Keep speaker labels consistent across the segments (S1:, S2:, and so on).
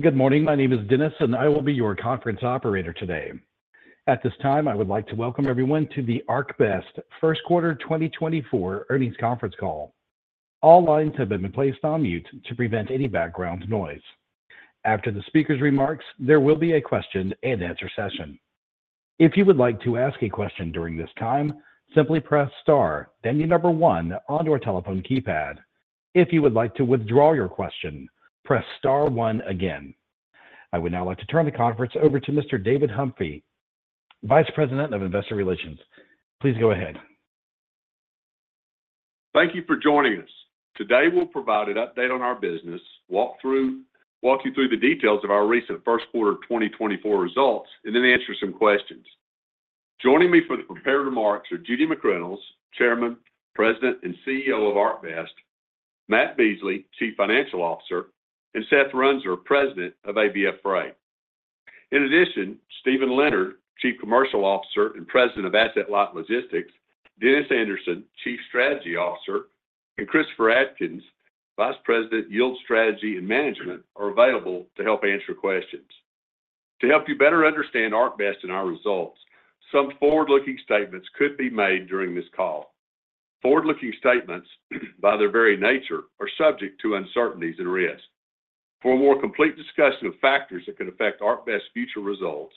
S1: Good morning. My name is Dennis, and I will be your conference operator today. At this time, I would like to welcome everyone to the ArcBest First Quarter 2024 Earnings Conference Call. All lines have been placed on mute to prevent any background noise. After the speaker's remarks, there will be a question-and-answer session. If you would like to ask a question during this time, simply press Star, then the number one on your telephone keypad. If you would like to withdraw your question, press star one again. I would now like to turn the conference over to Mr. David Humphrey, Vice President of Investor Relations. Please go ahead.
S2: Thank you for joining us. Today, we'll provide an update on our business, walk you through the details of our recent first quarter of 2024 results, and then answer some questions. Joining me for the prepared remarks are Judy McReynolds, Chairman, President, and CEO of ArcBest; Matt Beasley, Chief Financial Officer; and Seth Runser, President of ABF Freight. In addition, Steven Leonard, Chief Commercial Officer and President of Asset-Light Logistics, Dennis Anderson, Chief Strategy Officer, and Christopher Adkins, Vice President, Yield Strategy and Management, are available to help answer questions. To help you better understand ArcBest and our results, some forward-looking statements could be made during this call. Forward-looking statements, by their very nature, are subject to uncertainties and risks. For a more complete discussion of factors that could affect ArcBest's future results,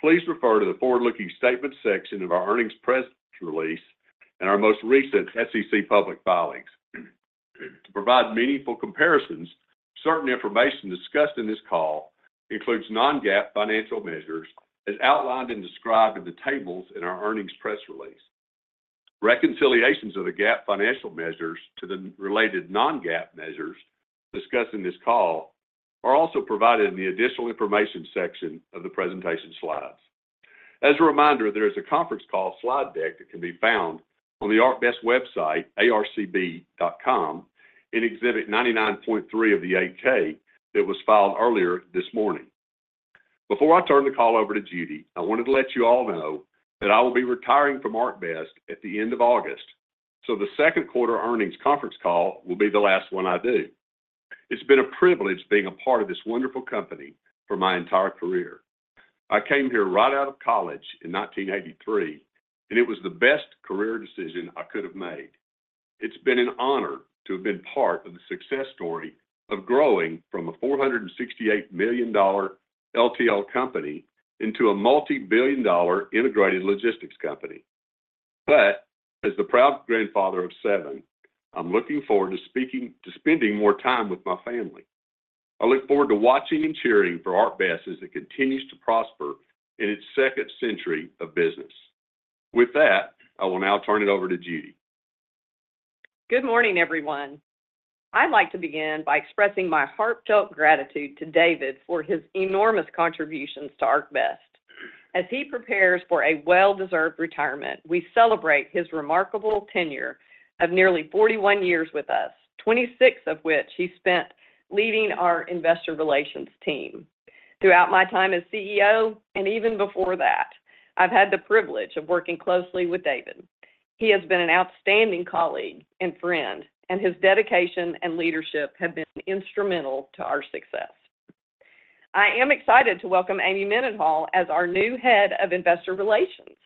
S2: please refer to the forward-looking statement section of our earnings press release and our most recent SEC public filings. To provide meaningful comparisons, certain information discussed in this call includes non-GAAP financial measures, as outlined and described in the tables in our earnings press release. Reconciliations of the GAAP financial measures to the related non-GAAP measures discussed in this call are also provided in the additional information section of the presentation slides. As a reminder, there is a conference call slide deck that can be found on the ArcBest website, arcb.com, in Exhibit 99.3 of the 8-K that was filed earlier this morning. Before I turn the call over to Judy, I wanted to let you all know that I will be retiring from ArcBest at the end of August, so the second quarter earnings conference call will be the last one I do. It's been a privilege being a part of this wonderful company for my entire career. I came here right out of college in 1983, and it was the best career decision I could have made. It's been an honor to have been part of the success story of growing from a $468 million LTL company into a multi-billion-dollar integrated logistics company. But as the proud grandfather of seven, I'm looking forward to spending more time with my family. I look forward to watching and cheering for ArcBest as it continues to prosper in its second century of business. With that, I will now turn it over to Judy.
S3: Good morning, everyone. I'd like to begin by expressing my heartfelt gratitude to David for his enormous contributions to ArcBest. As he prepares for a well-deserved retirement, we celebrate his remarkable tenure of nearly 41 years with us, 26 of which he spent leading our Investor Relations team. Throughout my time as CEO, and even before that, I've had the privilege of working closely with David. He has been an outstanding colleague and friend, and his dedication and leadership have been instrumental to our success. I am excited to welcome Amy Mendenhall as our new Head of Investor Relations.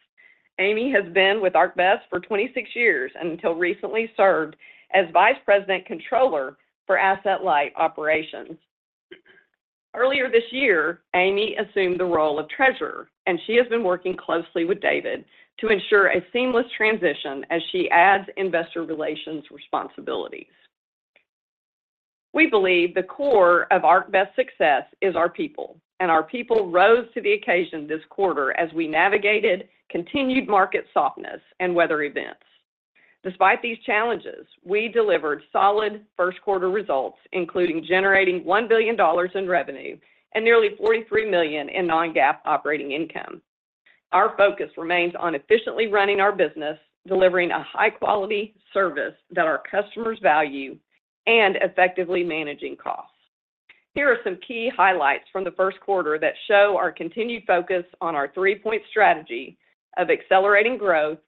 S3: Amy has been with ArcBest for 26 years, and until recently, served as Vice President Controller for Asset-Light Operations. Earlier this year, Amy assumed the role of Treasurer, and she has been working closely with David to ensure a seamless transition as she adds investor relations responsibilities. We believe the core of ArcBest success is our people, and our people rose to the occasion this quarter as we navigated continued market softness and weather events. Despite these challenges, we delivered solid first quarter results, including generating $1 billion in revenue and nearly $43 million in non-GAAP operating income. Our focus remains on efficiently running our business, delivering a high-quality service that our customers value, and effectively managing costs. Here are some key highlights from the first quarter that show our continued focus on our three-point strategy of accelerating growth,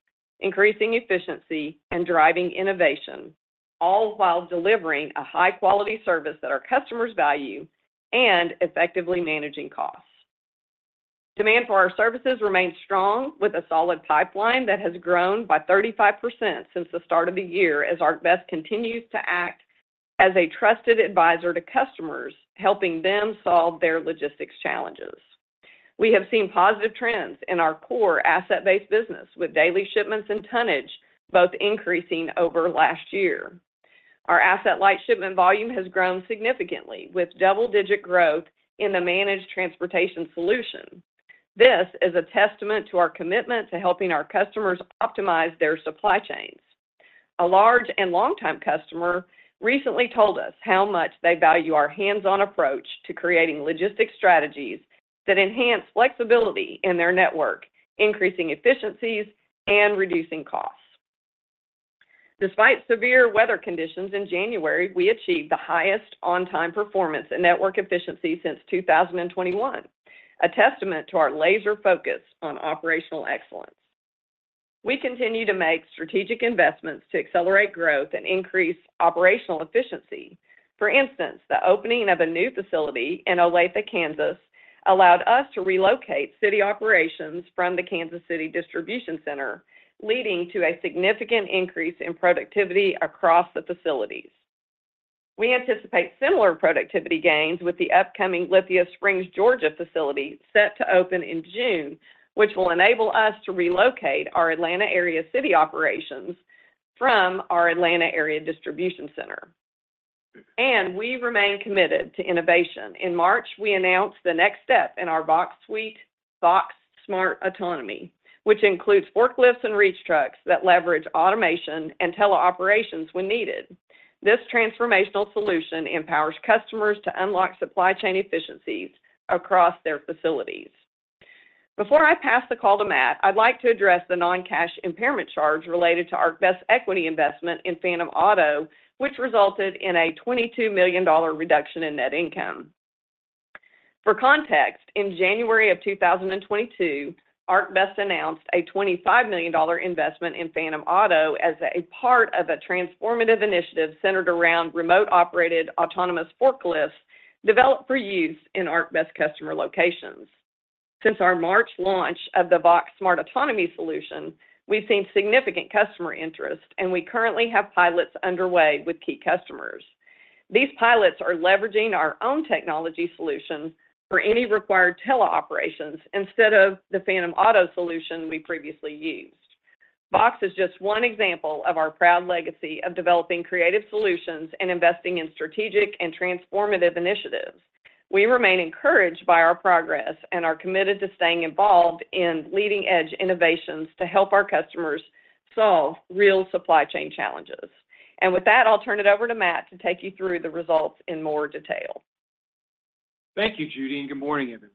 S3: increasing efficiency, and driving innovation, all while delivering a high-quality service that our customers value and effectively managing costs. Demand for our services remains strong, with a solid pipeline that has grown by 35% since the start of the year, as ArcBest continues to act as a trusted advisor to customers, helping them solve their logistics challenges. We have seen positive trends in our core asset-based business, with daily shipments and tonnage both increasing over last year. Our asset-light shipment volume has grown significantly, with double-digit growth in the managed transportation solution. This is a testament to our commitment to helping our customers optimize their supply chains. A large and longtime customer recently told us how much they value our hands-on approach to creating logistics strategies that enhance flexibility in their network, increasing efficiencies and reducing costs. Despite severe weather conditions in January, we achieved the highest on-time performance and network efficiency since 2021, a testament to our laser focus on operational excellence. We continue to make strategic investments to accelerate growth and increase operational efficiency. For instance, the opening of a new facility in Olathe, Kansas, allowed us to relocate city operations from the Kansas City Distribution Center, leading to a significant increase in productivity across the facilities. We anticipate similar productivity gains with the upcoming Lithia Springs, Georgia, facility set to open in June, which will enable us to relocate our Atlanta area city operations from our Atlanta area distribution center. We remain committed to innovation. In March, we announced the next step in our Vaux suite, Vaux Smart Autonomy, which includes forklifts and reach trucks that leverage automation and teleoperations when needed. This transformational solution empowers customers to unlock supply chain efficiencies across their facilities. Before I pass the call to Matt, I'd like to address the non-cash impairment charge related to our ArcBest equity investment in Phantom Auto, which resulted in a $22 million reduction in net income. For context, in January 2022, ArcBest announced a $25 million investment in Phantom Auto as a part of a transformative initiative centered around remote-operated autonomous forklifts developed for use in ArcBest customer locations. Since our March launch of the Vaux Smart Autonomy solution, we've seen significant customer interest, and we currently have pilots underway with key customers. These pilots are leveraging our own technology solutions for any required teleoperations instead of the Phantom Auto solution we previously used. Vaux is just one example of our proud legacy of developing creative solutions and investing in strategic and transformative initiatives. We remain encouraged by our progress and are committed to staying involved in leading-edge innovations to help our customers solve real supply chain challenges. With that, I'll turn it over to Matt to take you through the results in more detail.
S4: Thank you, Judy, and good morning, everyone.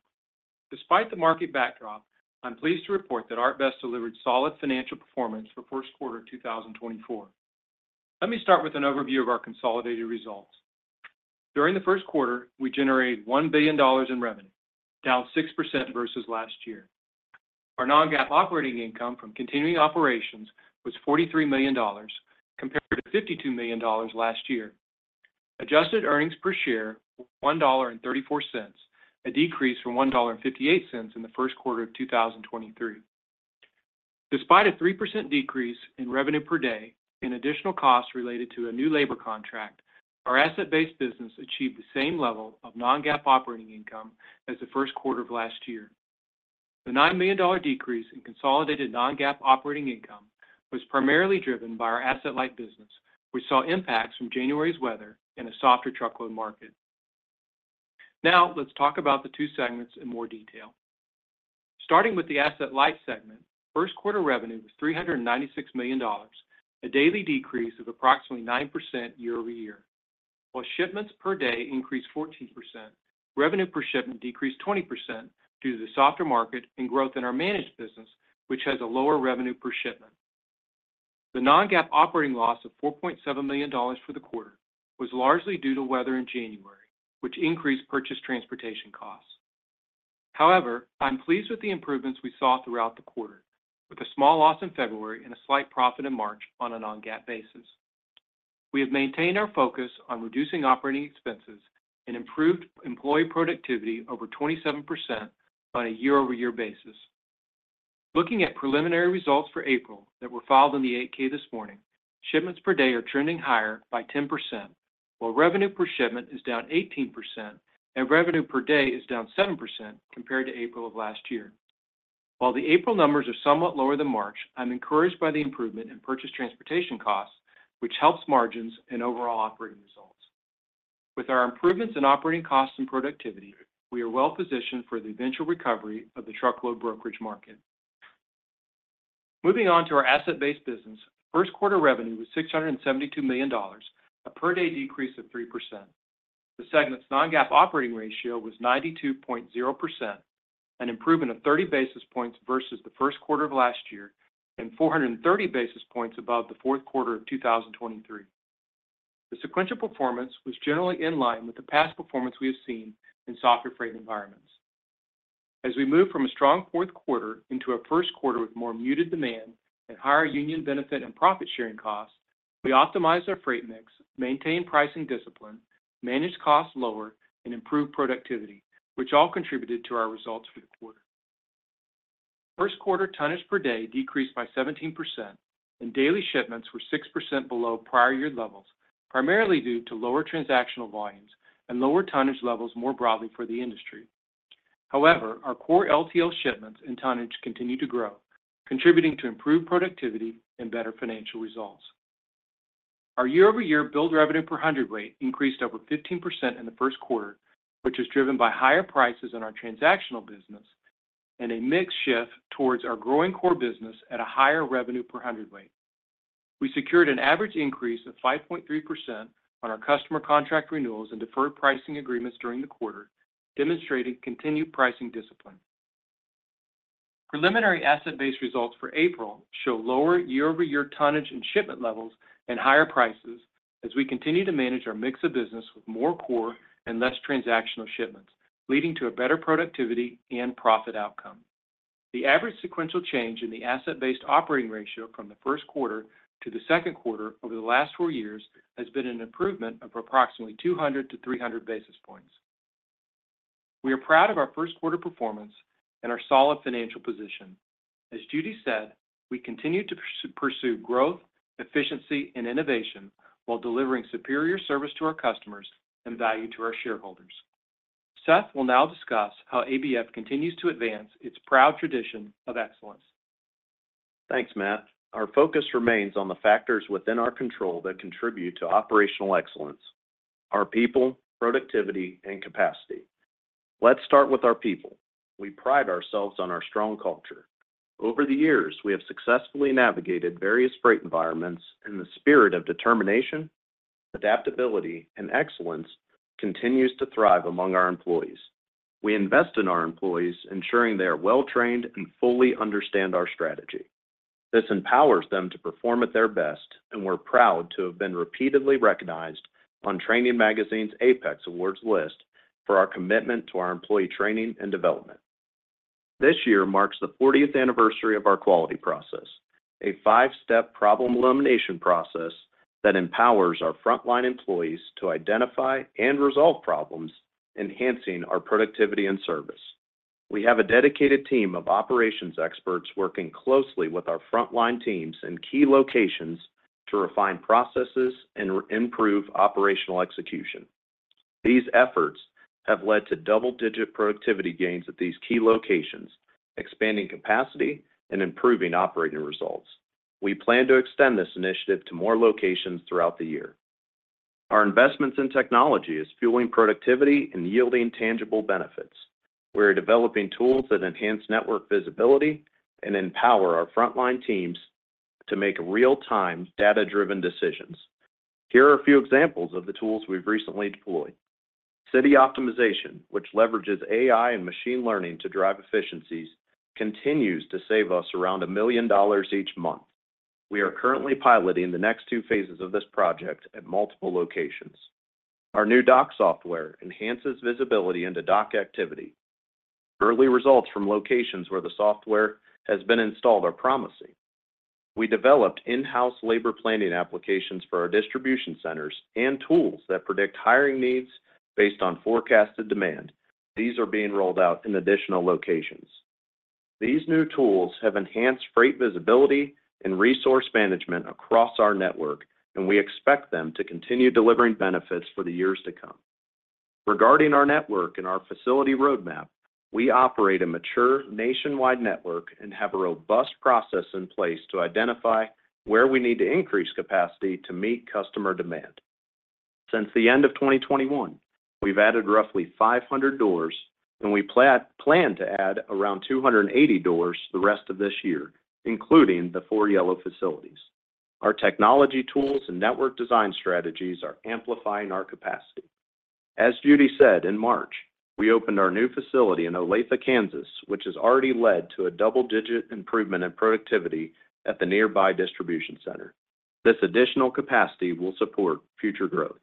S4: Despite the market backdrop, I'm pleased to report that ArcBest delivered solid financial performance for first quarter 2024. Let me start with an overview of our consolidated results. During the first quarter, we generated $1 billion in revenue, down 6% versus last year. Our non-GAAP operating income from continuing operations was $43 million, compared to $52 million last year. Adjusted earnings per share, $1.34, a decrease from $1.58 in the first quarter of 2023. Despite a 3% decrease in revenue per day and additional costs related to a new labor contract, our asset-based business achieved the same level of non-GAAP operating income as the first quarter of last year. The $9 million decrease in consolidated non-GAAP operating income was primarily driven by our asset-light business. We saw impacts from January's weather and a softer truckload market. Now, let's talk about the two segments in more detail. Starting with the asset-light segment, first quarter revenue was $396 million, a daily decrease of approximately 9% YoY. While shipments per day increased 14%, revenue per shipment decreased 20% due to the softer market and growth in our managed business, which has a lower revenue per shipment. The non-GAAP operating loss of $4.7 million for the quarter was largely due to weather in January, which increased purchase transportation costs. However, I'm pleased with the improvements we saw throughout the quarter, with a small loss in February and a slight profit in March on a non-GAAP basis. We have maintained our focus on reducing operating expenses and improved employee productivity over 27% on a YoY basis. Looking at preliminary results for April that were filed in the 8-K this morning, shipments per day are trending higher by 10%, while revenue per shipment is down 18% and revenue per day is down 7% compared to April of last year. While the April numbers are somewhat lower than March, I'm encouraged by the improvement in purchase transportation costs, which helps margins and overall operating results. With our improvements in operating costs and productivity, we are well positioned for the eventual recovery of the truckload brokerage market. Moving on to our asset-based business, first quarter revenue was $672 million, a per-day decrease of 3%. The segment's non-GAAP operating ratio was 92.0%, an improvement of 30 basis points versus the first quarter of last year and 430 basis points above the fourth quarter of 2023. The sequential performance was generally in line with the past performance we have seen in softer freight environments. As we move from a strong fourth quarter into a first quarter with more muted demand and higher union benefit and profit-sharing costs, we optimized our freight mix, maintained pricing discipline, managed costs lower, and improved productivity, which all contributed to our results for the quarter. First quarter tonnage per day decreased by 17%, and daily shipments were 6% below prior year levels, primarily due to lower transactional volumes and lower tonnage levels more broadly for the industry. However, our core LTL shipments and tonnage continue to grow, contributing to improved productivity and better financial results. Our YoY billed revenue per hundredweight increased over 15% in the first quarter, which is driven by higher prices in our transactional business and a mix shift towards our growing core business at a higher revenue per hundredweight. We secured an average increase of 5.3% on our customer contract renewals and deferred pricing agreements during the quarter, demonstrating continued pricing discipline. Preliminary asset-based results for April show lower YoY tonnage and shipment levels and higher prices as we continue to manage our mix of business with more core and less transactional shipments. Leading to a better productivity and profit outcome. The average sequential change in the asset-based operating ratio from the first quarter to the second quarter over the last four years has been an improvement of approximately 200-300 basis points. We are proud of our first quarter performance and our solid financial position. As Judy said, we continue to pursue growth, efficiency, and innovation while delivering superior service to our customers and value to our shareholders. Seth will now discuss how ABF continues to advance its proud tradition of excellence.
S5: Thanks, Matt. Our focus remains on the factors within our control that contribute to operational excellence: our people, productivity, and capacity. Let's start with our people. We pride ourselves on our strong culture. Over the years, we have successfully navigated various freight environments, and the spirit of determination, adaptability, and excellence continues to thrive among our employees. We invest in our employees, ensuring they are well-trained and fully understand our strategy. This empowers them to perform at their best, and we're proud to have been repeatedly recognized on Training Magazine's APEX Awards list for our commitment to our employee training and development. This year marks the 40th anniversary of our quality process, a five-step problem elimination process that empowers our frontline employees to identify and resolve problems, enhancing our productivity and service. We have a dedicated team of operations experts working closely with our frontline teams in key locations to refine processes and improve operational execution. These efforts have led to double-digit productivity gains at these key locations, expanding capacity and improving operating results. We plan to extend this initiative to more locations throughout the year. Our investments in technology is fueling productivity and yielding tangible benefits. We are developing tools that enhance network visibility and empower our frontline teams to make real-time, data-driven decisions. Here are a few examples of the tools we've recently deployed. City Optimization, which leverages AI and machine learning to drive efficiencies, continues to save us around $1 million each month. We are currently piloting the next two phases of this project at multiple locations. Our new dock software enhances visibility into dock activity. Early results from locations where the software has been installed are promising. We developed in-house labor planning applications for our distribution centers and tools that predict hiring needs based on forecasted demand. These are being rolled out in additional locations. These new tools have enhanced freight visibility and resource management across our network, and we expect them to continue delivering benefits for the years to come. Regarding our network and our facility roadmap, we operate a mature nationwide network and have a robust process in place to identify where we need to increase capacity to meet customer demand. Since the end of 2021, we've added roughly 500 doors, and we plan to add around 280 doors the rest of this year, including the four Yellow facilities. Our technology tools and network design strategies are amplifying our capacity. As Judy said, in March, we opened our new facility in Olathe, Kansas, which has already led to a double-digit improvement in productivity at the nearby distribution center. This additional capacity will support future growth.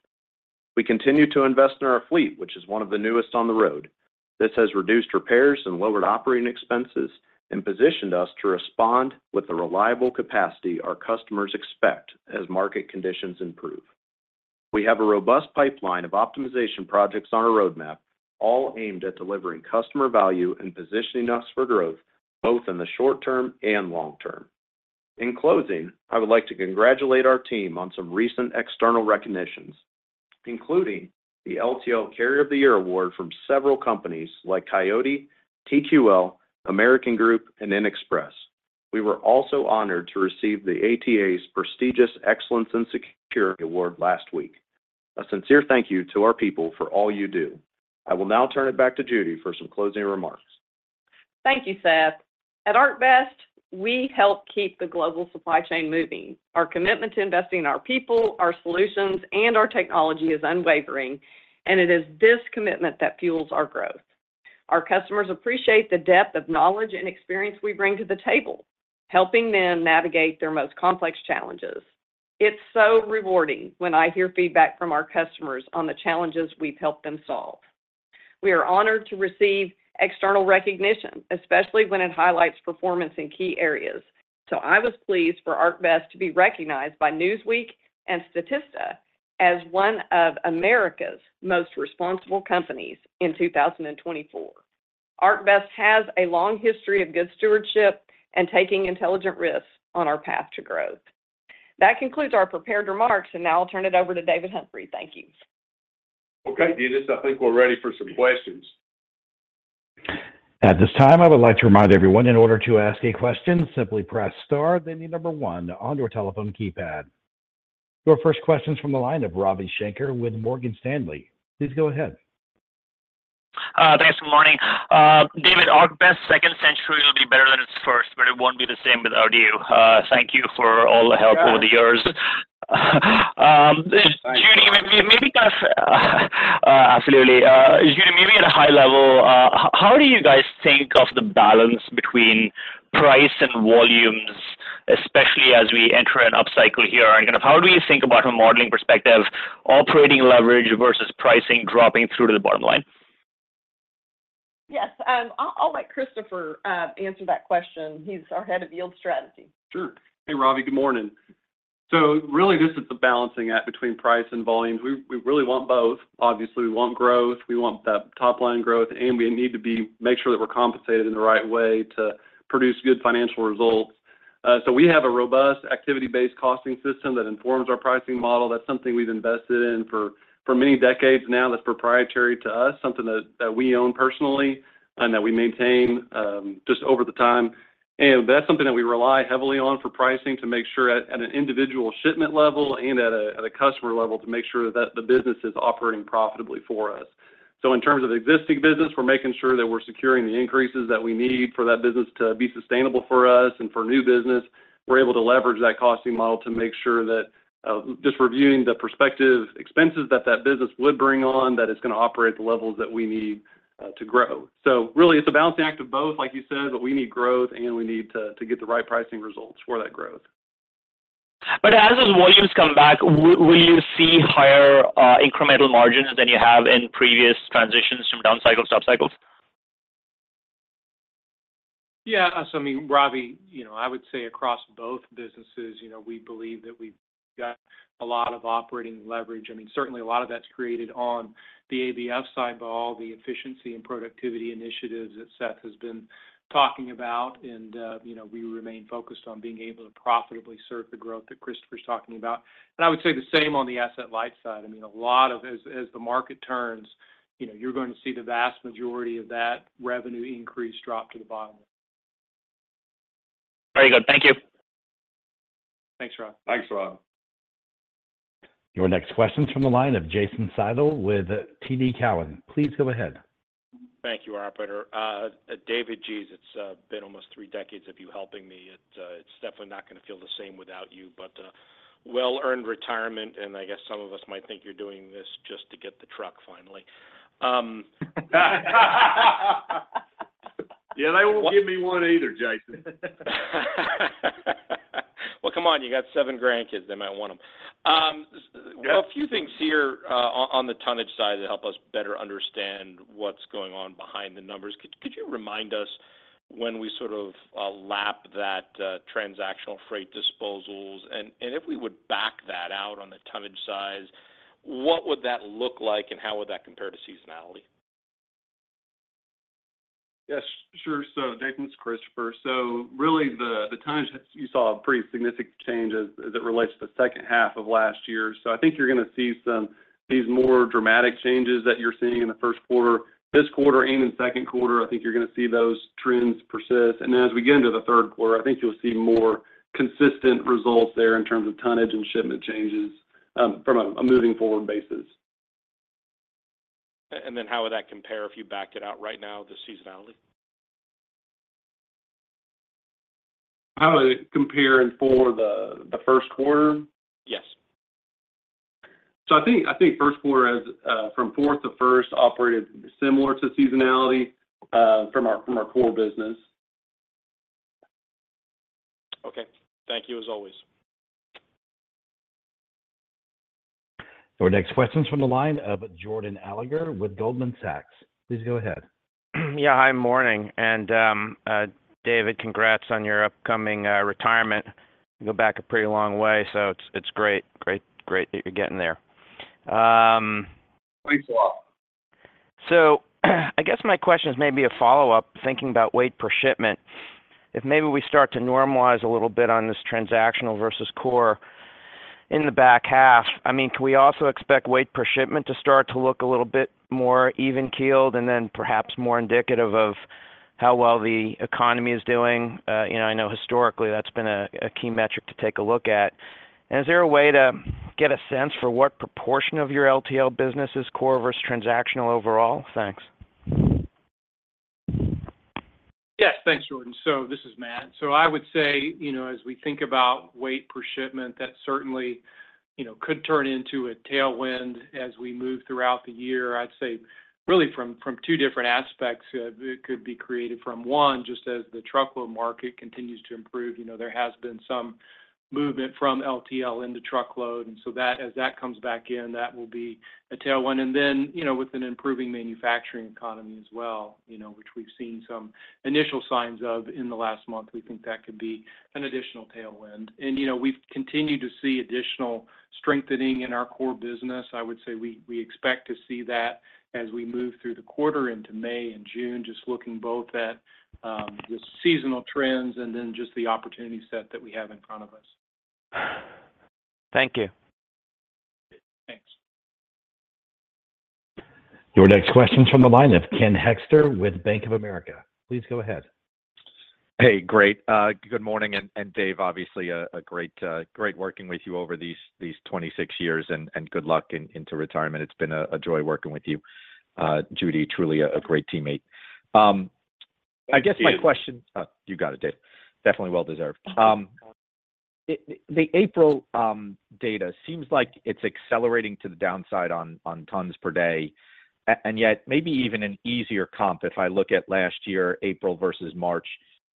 S5: We continue to invest in our fleet, which is one of the newest on the road. This has reduced repairs and lowered operating expenses and positioned us to respond with the reliable capacity our customers expect as market conditions improve. We have a robust pipeline of optimization projects on our roadmap, all aimed at delivering customer value and positioning us for growth, both in the short term and long term. In closing, I would like to congratulate our team on some recent external recognitions, including the LTL Carrier of the Year award from several companies like Coyote, TQL, American Group, and InXpress. We were also honored to receive the ATA's prestigious Excellence in Security Award last week. A sincere thank you to our people for all you do. I will now turn it back to Judy for some closing remarks.
S3: Thank you, Seth. At ArcBest, we help keep the global supply chain moving. Our commitment to investing in our people, our solutions, and our technology is unwavering, and it is this commitment that fuels our growth. Our customers appreciate the depth of knowledge and experience we bring to the table, helping them navigate their most complex challenges. It's so rewarding when I hear feedback from our customers on the challenges we've helped them solve. We are honored to receive external recognition, especially when it highlights performance in key areas. So I was pleased for ArcBest to be recognized by Newsweek and Statista as one of America's most responsible companies in 2024. ArcBest has a long history of good stewardship and taking intelligent risks on our path to growth. That concludes our prepared remarks, and now I'll turn it over to David Humphrey. Thank you.
S2: Okay, Dennis, I think we're ready for some questions.
S1: At this time, I would like to remind everyone, in order to ask a question, simply press star, then the number one on your telephone keypad. Your first question is from the line of Ravi Shanker with Morgan Stanley. Please go ahead.
S6: Thanks. Good morning. David, ArcBest second century will be better than its first, but it won't be the same without you. Thank you for all the help over the years. Judy, maybe absolutely. Judy, maybe at a high level, how do you guys think of the balance between price and volumes, especially as we enter an upcycle here? And kind of how do you think about, from a modeling perspective, operating leverage versus pricing dropping through to the bottom line?
S3: Yes, I'll let Christopher answer that question. He's our Head of Yield Strategy.
S7: Sure. Hey, Ravi, good morning. So really, this is a balancing act between price and volume. We, we really want both. Obviously, we want growth, we want that top-line growth, and we need to make sure that we're compensated in the right way to produce good financial results. So we have a robust activity-based costing system that informs our pricing model. That's something we've invested in for many decades now, that's proprietary to us, something that we own personally and that we maintain just over the time. And that's something that we rely heavily on for pricing to make sure at an individual shipment level and at a customer level, to make sure that the business is operating profitably for us. So in terms of existing business, we're making sure that we're securing the increases that we need for that business to be sustainable for us. And for new business, we're able to leverage that costing model to make sure that, just reviewing the prospective expenses that that business would bring on, that it's going to operate at the levels that we need, to grow. So really, it's a balancing act of both, like you said. But we need growth, and we need to, to get the right pricing results for that growth.
S6: But as those volumes come back, will you see higher incremental margins than you have in previous transitions from down cycles to up cycles?
S4: Yeah, so I mean, Ravi, you know, I would say across both businesses, you know, we believe that we've got a lot of operating leverage. I mean, certainly a lot of that's created on the ABF side by all the efficiency and productivity initiatives that Seth has been talking about. And, you know, we remain focused on being able to profitably serve the growth that Christopher's talking about. And I would say the same on the asset-light side. I mean, a lot of, as the market turns, you know, you're going to see the vast majority of that revenue increase drop to the bottom.
S6: Very good. Thank you.
S4: Thanks, Ravi.
S7: Thanks, Ravi.
S1: Your next question is from the line of Jason Seidl with TD Cowen. Please go ahead.
S8: Thank you, operator. David, geez, it's been almost three decades of you helping me. It's definitely not going to feel the same without you, but well-earned retirement, and I guess some of us might think you're doing this just to get the truck finally.
S2: Yeah, they won't give me one either, Jason.
S8: Well, come on, you got seven grandkids. They might want them.
S2: Yeah.
S8: A few things here, on the tonnage side to help us better understand what's going on behind the numbers. Could you remind us when we sort of lap that transactional freight disposals? And if we would back that out on the tonnage size, what would that look like, and how would that compare to seasonality?
S7: Yes, sure. So Jason, it's Christopher. So really, the tonnage, you saw a pretty significant change as it relates to the second half of last year. So I think you're going to see some... These more dramatic changes that you're seeing in the first quarter, this quarter, and in the second quarter, I think you're going to see those trends persist. And then as we get into the third quarter, I think you'll see more consistent results there in terms of tonnage and shipment changes, from a moving forward basis.
S8: And then how would that compare if you backed it out right now, the seasonality?
S7: How would it compare for the first quarter?
S8: Yes.
S7: So I think, I think first quarter, as from fourth to first, operated similar to seasonality, from our, from our core business.
S8: Okay. Thank you, as always.
S1: Our next question is from the line of Jordan Alliger with Goldman Sachs. Please go ahead.
S9: Yeah. Hi, morning. David, congrats on your upcoming retirement. We go back a pretty long way, so it's, it's great, great, great that you're getting there.
S2: Thanks a lot.
S9: So I guess my question is maybe a follow-up, thinking about weight per shipment. If maybe we start to normalize a little bit on this transactional versus core in the back half, I mean, can we also expect weight per shipment to start to look a little bit more even keeled and then perhaps more indicative of how well the economy is doing? You know, I know historically that's been a key metric to take a look at. Is there a way to get a sense for what proportion of your LTL business is core versus transactional overall? Thanks.
S4: Yes. Thanks, Jordan. So this is Matt. So I would say, you know, as we think about weight per shipment, that certainly, you know, could turn into a tailwind as we move throughout the year. I'd say really from two different aspects, it could be created from one, just as the truckload market continues to improve, you know, there has been some movement from LTL into truckload, and so that as that comes back in, that will be a tailwind. And then, you know, with an improving manufacturing economy as well, you know, which we've seen some initial signs of in the last month, we think that could be an additional tailwind. And, you know, we've continued to see additional strengthening in our core business. I would say we expect to see that as we move through the quarter into May and June, just looking both at the seasonal trends and then just the opportunity set that we have in front of us.
S9: Thank you.
S4: Thanks.
S1: Your next question from the line of Ken Hoexter with Bank of America. Please go ahead.
S10: Hey, great. Good morning. And Dave, obviously, a great working with you over these 26 years, and good luck into retirement. It's been a joy working with you. Judy, truly a great teammate. I guess my question-
S2: Thank you.
S10: Oh, you got it, Dave. Definitely well deserved. It, the April data seems like it's accelerating to the downside on tons per day. And yet maybe even an easier comp if I look at last year, April versus March,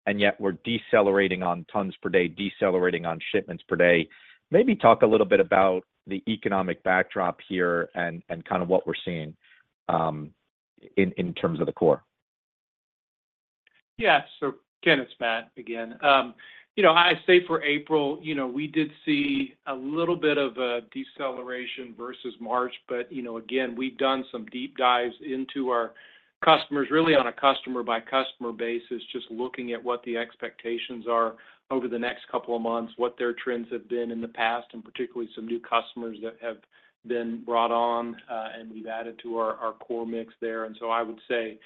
S10: and yet we're decelerating on tons per day, decelerating on shipments per day. Maybe talk a little bit about the economic backdrop here and kind of what we're seeing in terms of the core.
S4: Yeah. So Ken, it's Matt again. You know, I'd say for April, you know, we did see a little bit of a deceleration versus March, but, you know, again, we've done some deep dives into our customers, really on a customer-by-customer basis, just looking at what the expectations are over the next couple of months, what their trends have been in the past, and particularly some new customers that have been brought on, and we've added to our core mix there. And so I would say,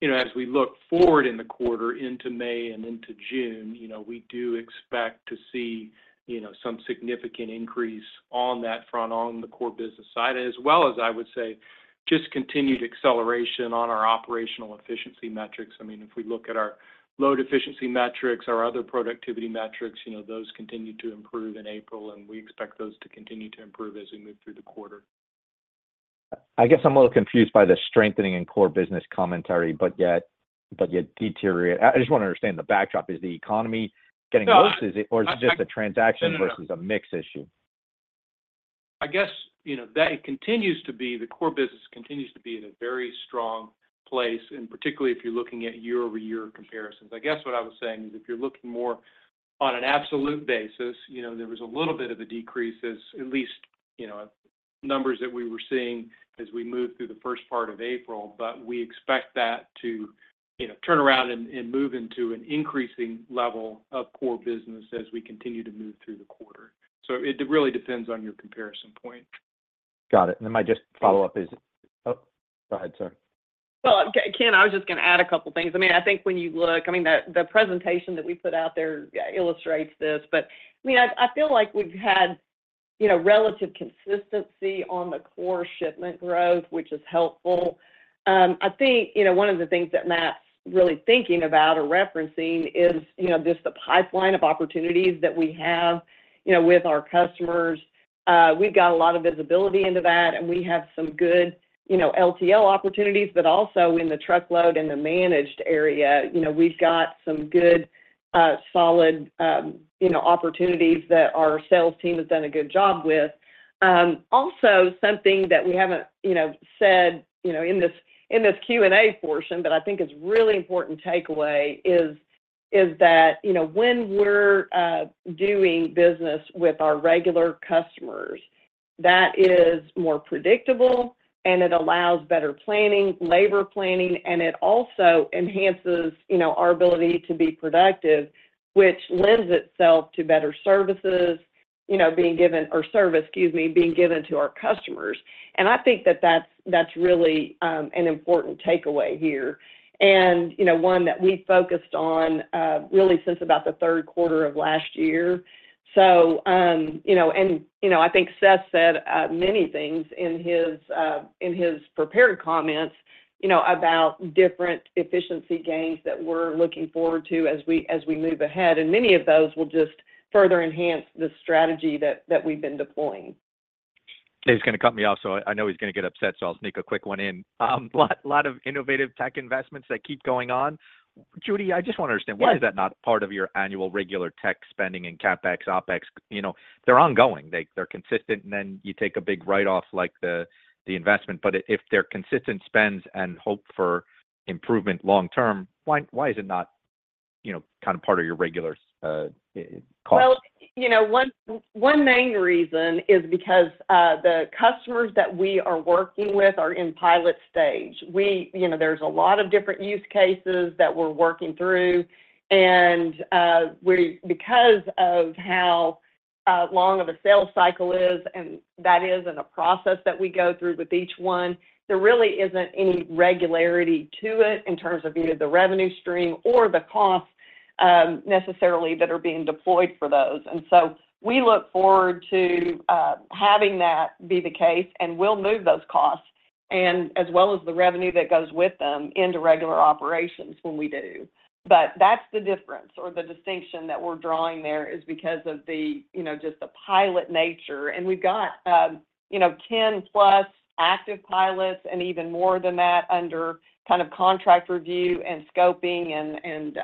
S4: you know, as we look forward in the quarter into May and into June, you know, we do expect to see, you know, some significant increase on that front, on the core business side, as well as, I would say, just continued acceleration on our operational efficiency metrics. I mean, if we look at our load efficiency metrics, our other productivity metrics, you know, those continued to improve in April, and we expect those to continue to improve as we move through the quarter.
S10: I guess I'm a little confused by the strengthening in core business commentary, but yet deteriorate. I just want to understand the backdrop. Is the economy getting worse-
S4: No, I-...
S10: or is it just a transaction versus a mix issue?
S4: I guess, you know, that continues to be the core business continues to be in a very strong place, and particularly if you're looking at YoY comparisons. I guess what I was saying is, if you're looking more on an absolute basis, you know, there was a little bit of a decrease, at least, you know, numbers that we were seeing as we moved through the first part of April. But we expect that to, you know, turn around and, and move into an increasing level of core business as we continue to move through the quarter. So it really depends on your comparison point.
S10: Got it. And then my just follow-up is... Oh, go ahead, sorry.
S3: Well, Ken, I was just going to add a couple of things. I mean, I think when you look, I mean, the, the presentation that we put out there, illustrates this, but, I mean, I, I feel like we've had, you know, relative consistency on the core shipment growth, which is helpful. I think, you know, one of the things that Matt's really thinking about or referencing is, you know, just the pipeline of opportunities that we have, you know, with our customers. We've got a lot of visibility into that, and we have some good, you know, LTL opportunities, but also in the truckload and the managed area, you know, we've got some good, solid, you know, opportunities that our sales team has done a good job with. Also something that we haven't, you know, said, you know, in this Q&A portion, but I think it's really important takeaway is that, you know, when we're doing business with our regular customers, that is more predictable and it allows better planning, labor planning, and it also enhances, you know, our ability to be productive, which lends itself to better services, you know, being given... or service, excuse me, being given to our customers. And I think that that's really an important takeaway here. And, you know, one that we focused on really since about the third quarter of last year. So, you know, I think Seth said many things in his prepared comments, you know, about different efficiency gains that we're looking forward to as we move ahead. Many of those will just further enhance the strategy that we've been deploying.
S10: Dave's going to cut me off, so I know he's going to get upset, so I'll sneak a quick one in. Lots of innovative tech investments that keep going on. Judy, I just want to understand-... why is that not part of your annual regular tech spending in CapEx, OpEx? You know, they're ongoing, they're consistent, and then you take a big write-off, like the investment. But if they're consistent spends and hope for improvement long term, why, why is it not, you know, kind of part of your regular cost?
S3: Well, you know, one main reason is because the customers that we are working with are in pilot stage. We, you know, there's a lot of different use cases that we're working through, and we—because of how long of a sales cycle is, and that is in a process that we go through with each one, there really isn't any regularity to it in terms of either the revenue stream or the costs, necessarily that are being deployed for those. And so we look forward to having that be the case, and we'll move those costs, and as well as the revenue that goes with them into regular operations when we do. But that's the difference or the distinction that we're drawing there is because of the, you know, just the pilot nature. We've got, you know, 10+ active pilots and even more than that under kind of contract review and scoping and,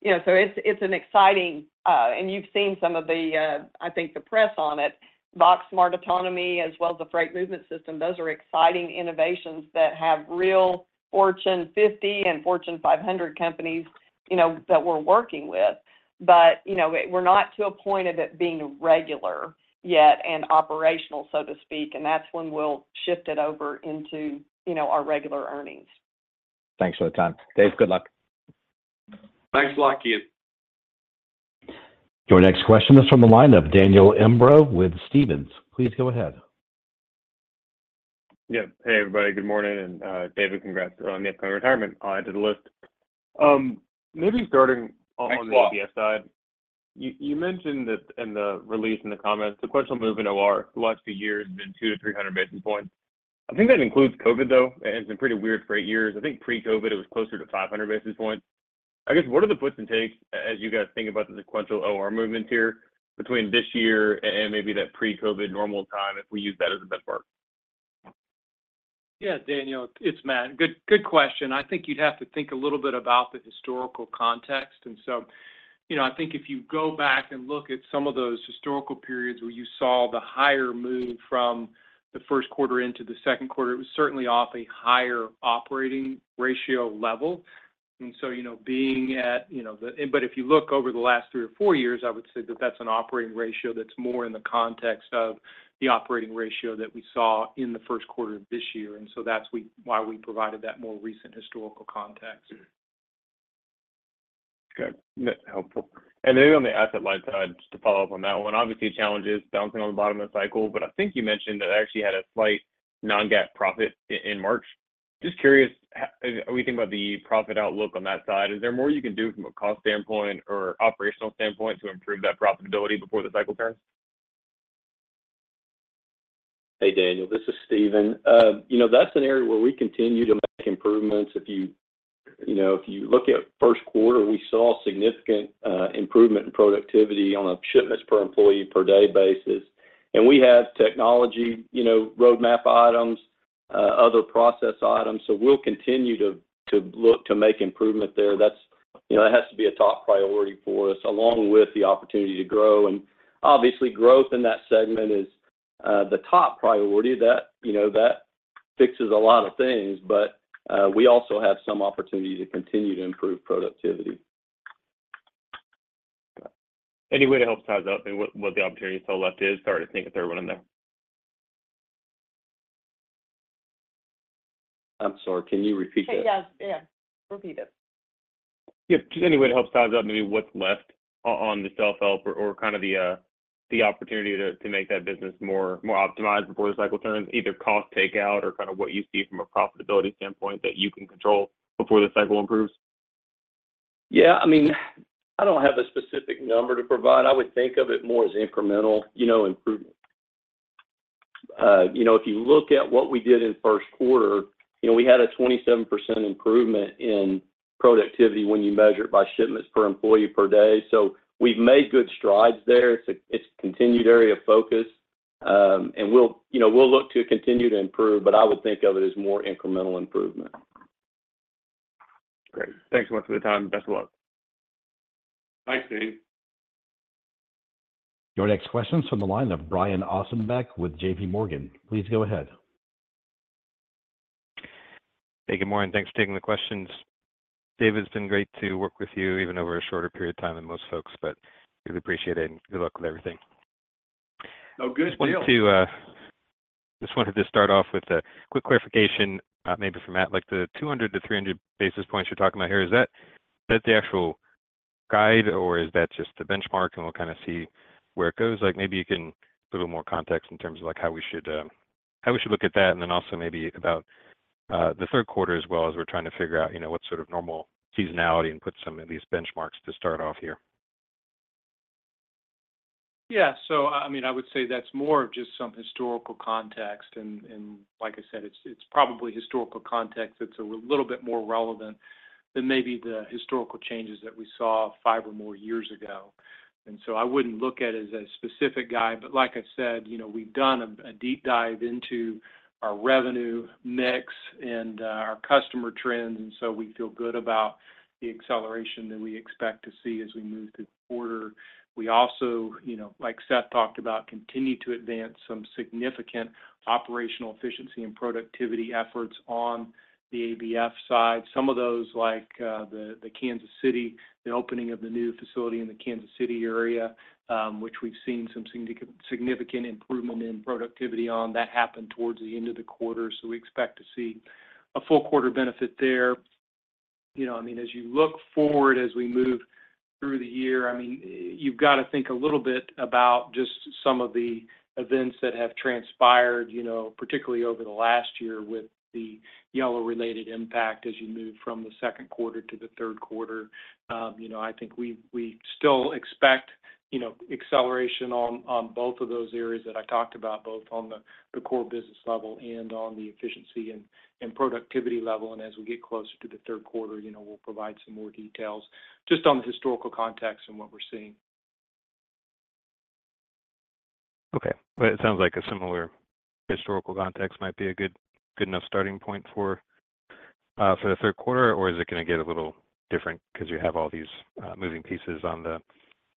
S3: you know, so it's an exciting, and you've seen some of the, I think the press on it. Box Smart Autonomy, as well as the Freight Movement system, those are exciting innovations that have real Fortune 50 and Fortune 500 companies, you know, that we're working with. But, you know, we're not to a point of it being regular yet and operational, so to speak, and that's when we'll shift it over into, you know, our regular earnings.
S10: Thanks for the time. Dave, good luck.
S2: Thanks a lot, Ken.
S1: Your next question is from the line of Daniel Imbro with Stephens. Please go ahead.
S11: Yeah. Hey, everybody. Good morning, and David, congrats on the upcoming retirement. I'll add to the list. Maybe starting on-
S2: Thanks a lot....
S11: the ABF side. You, you mentioned that in the release in the comments, the question of movement OR, the last two years have been 200-300 basis points.... I think that includes COVID, though, and some pretty weird freight years. I think pre-COVID, it was closer to 500 basis points. I guess, what are the puts and takes as you guys think about the sequential OR movement here between this year and maybe that pre-COVID normal time, if we use that as a benchmark?
S4: Yeah, Daniel, it's Matt. Good, good question. I think you'd have to think a little bit about the historical context. And so, you know, I think if you go back and look at some of those historical periods where you saw the higher move from the first quarter into the second quarter, it was certainly off a higher operating ratio level. And so, you know, being at, you know, the. But if you look over the last three or four years, I would say that that's an operating ratio that's more in the context of the operating ratio that we saw in the first quarter of this year, and so that's why we provided that more recent historical context.
S11: Okay. Yeah, helpful. And then on the asset light side, just to follow up on that one, obviously, the challenge is bouncing on the bottom of the cycle, but I think you mentioned that it actually had a slight non-GAAP profit in March. Just curious, as we think about the profit outlook on that side, is there more you can do from a cost standpoint or operational standpoint to improve that profitability before the cycle turns?
S12: Hey, Daniel, this is Steven. You know, that's an area where we continue to make improvements. If you, you know, if you look at first quarter, we saw significant improvement in productivity on a shipments per employee per day basis. And we have technology, you know, roadmap items, other process items, so we'll continue to, to look to make improvement there. That's, you know, that has to be a top priority for us, along with the opportunity to grow. And obviously, growth in that segment is the top priority. That, you know, that fixes a lot of things, but we also have some opportunity to continue to improve productivity.
S11: Any way to help size up and what, what the opportunity still left is? Sorry, I think a third one in there.
S12: I'm sorry, can you repeat that?
S3: Yeah. Yeah, repeat it.
S11: Yeah. Just any way to help size up maybe what's left on the self-help or, or kind of the, the opportunity to, to make that business more, more optimized before the cycle turns, either cost takeout or kind of what you see from a profitability standpoint that you can control before the cycle improves?
S12: Yeah, I mean, I don't have a specific number to provide. I would think of it more as incremental, you know, improvement. You know, if you look at what we did in first quarter, you know, we had a 27% improvement in productivity when you measure it by shipments per employee per day. So we've made good strides there. It's a, it's a continued area of focus, and we'll, you know, we'll look to continue to improve, but I would think of it as more incremental improvement.
S11: Great. Thanks so much for the time. Best of luck.
S4: Thanks, Daniel.
S1: Your next question is from the line of Brian Ossenbeck with JPMorgan. Please go ahead.
S13: Hey, good morning. Thanks for taking the questions. David, it's been great to work with you, even over a shorter period of time than most folks, but really appreciate it, and good luck with everything.
S2: Oh, good deal.
S13: Just wanted to just wanted to start off with a quick clarification, maybe from Matt. Like, the 200-300 basis points you're talking about here, is that the actual guide, or is that just the benchmark, and we'll kind of see where it goes? Like, maybe you can give a little more context in terms of, like, how we should how we should look at that, and then also maybe about the third quarter as well, as we're trying to figure out, you know, what sort of normal seasonality and put some of these benchmarks to start off here.
S4: Yeah. So, I mean, I would say that's more of just some historical context, and like I said, it's probably historical context that's a little bit more relevant than maybe the historical changes that we saw five or more years ago. And so I wouldn't look at it as a specific guide. But like I said, you know, we've done a deep dive into our revenue mix and our customer trends, and so we feel good about the acceleration that we expect to see as we move through the quarter. We also, you know, like Seth talked about, continue to advance some significant operational efficiency and productivity efforts on the ABF side. Some of those, like, the Kansas City, the opening of the new facility in the Kansas City area, which we've seen some significant improvement in productivity on, that happened towards the end of the quarter, so we expect to see a full quarter benefit there. You know, I mean, as you look forward, as we move through the year, I mean, you've got to think a little bit about just some of the events that have transpired, you know, particularly over the last year with the Yellow-related impact as you move from the second quarter to the third quarter. You know, I think we still expect, you know, acceleration on both of those areas that I talked about, both on the core business level and on the efficiency and productivity level. As we get closer to the third quarter, you know, we'll provide some more details, just on the historical context and what we're seeing.
S13: Okay. Well, it sounds like a similar historical context might be a good, good enough starting point for, for the third quarter, or is it gonna get a little different because you have all these, moving pieces on the,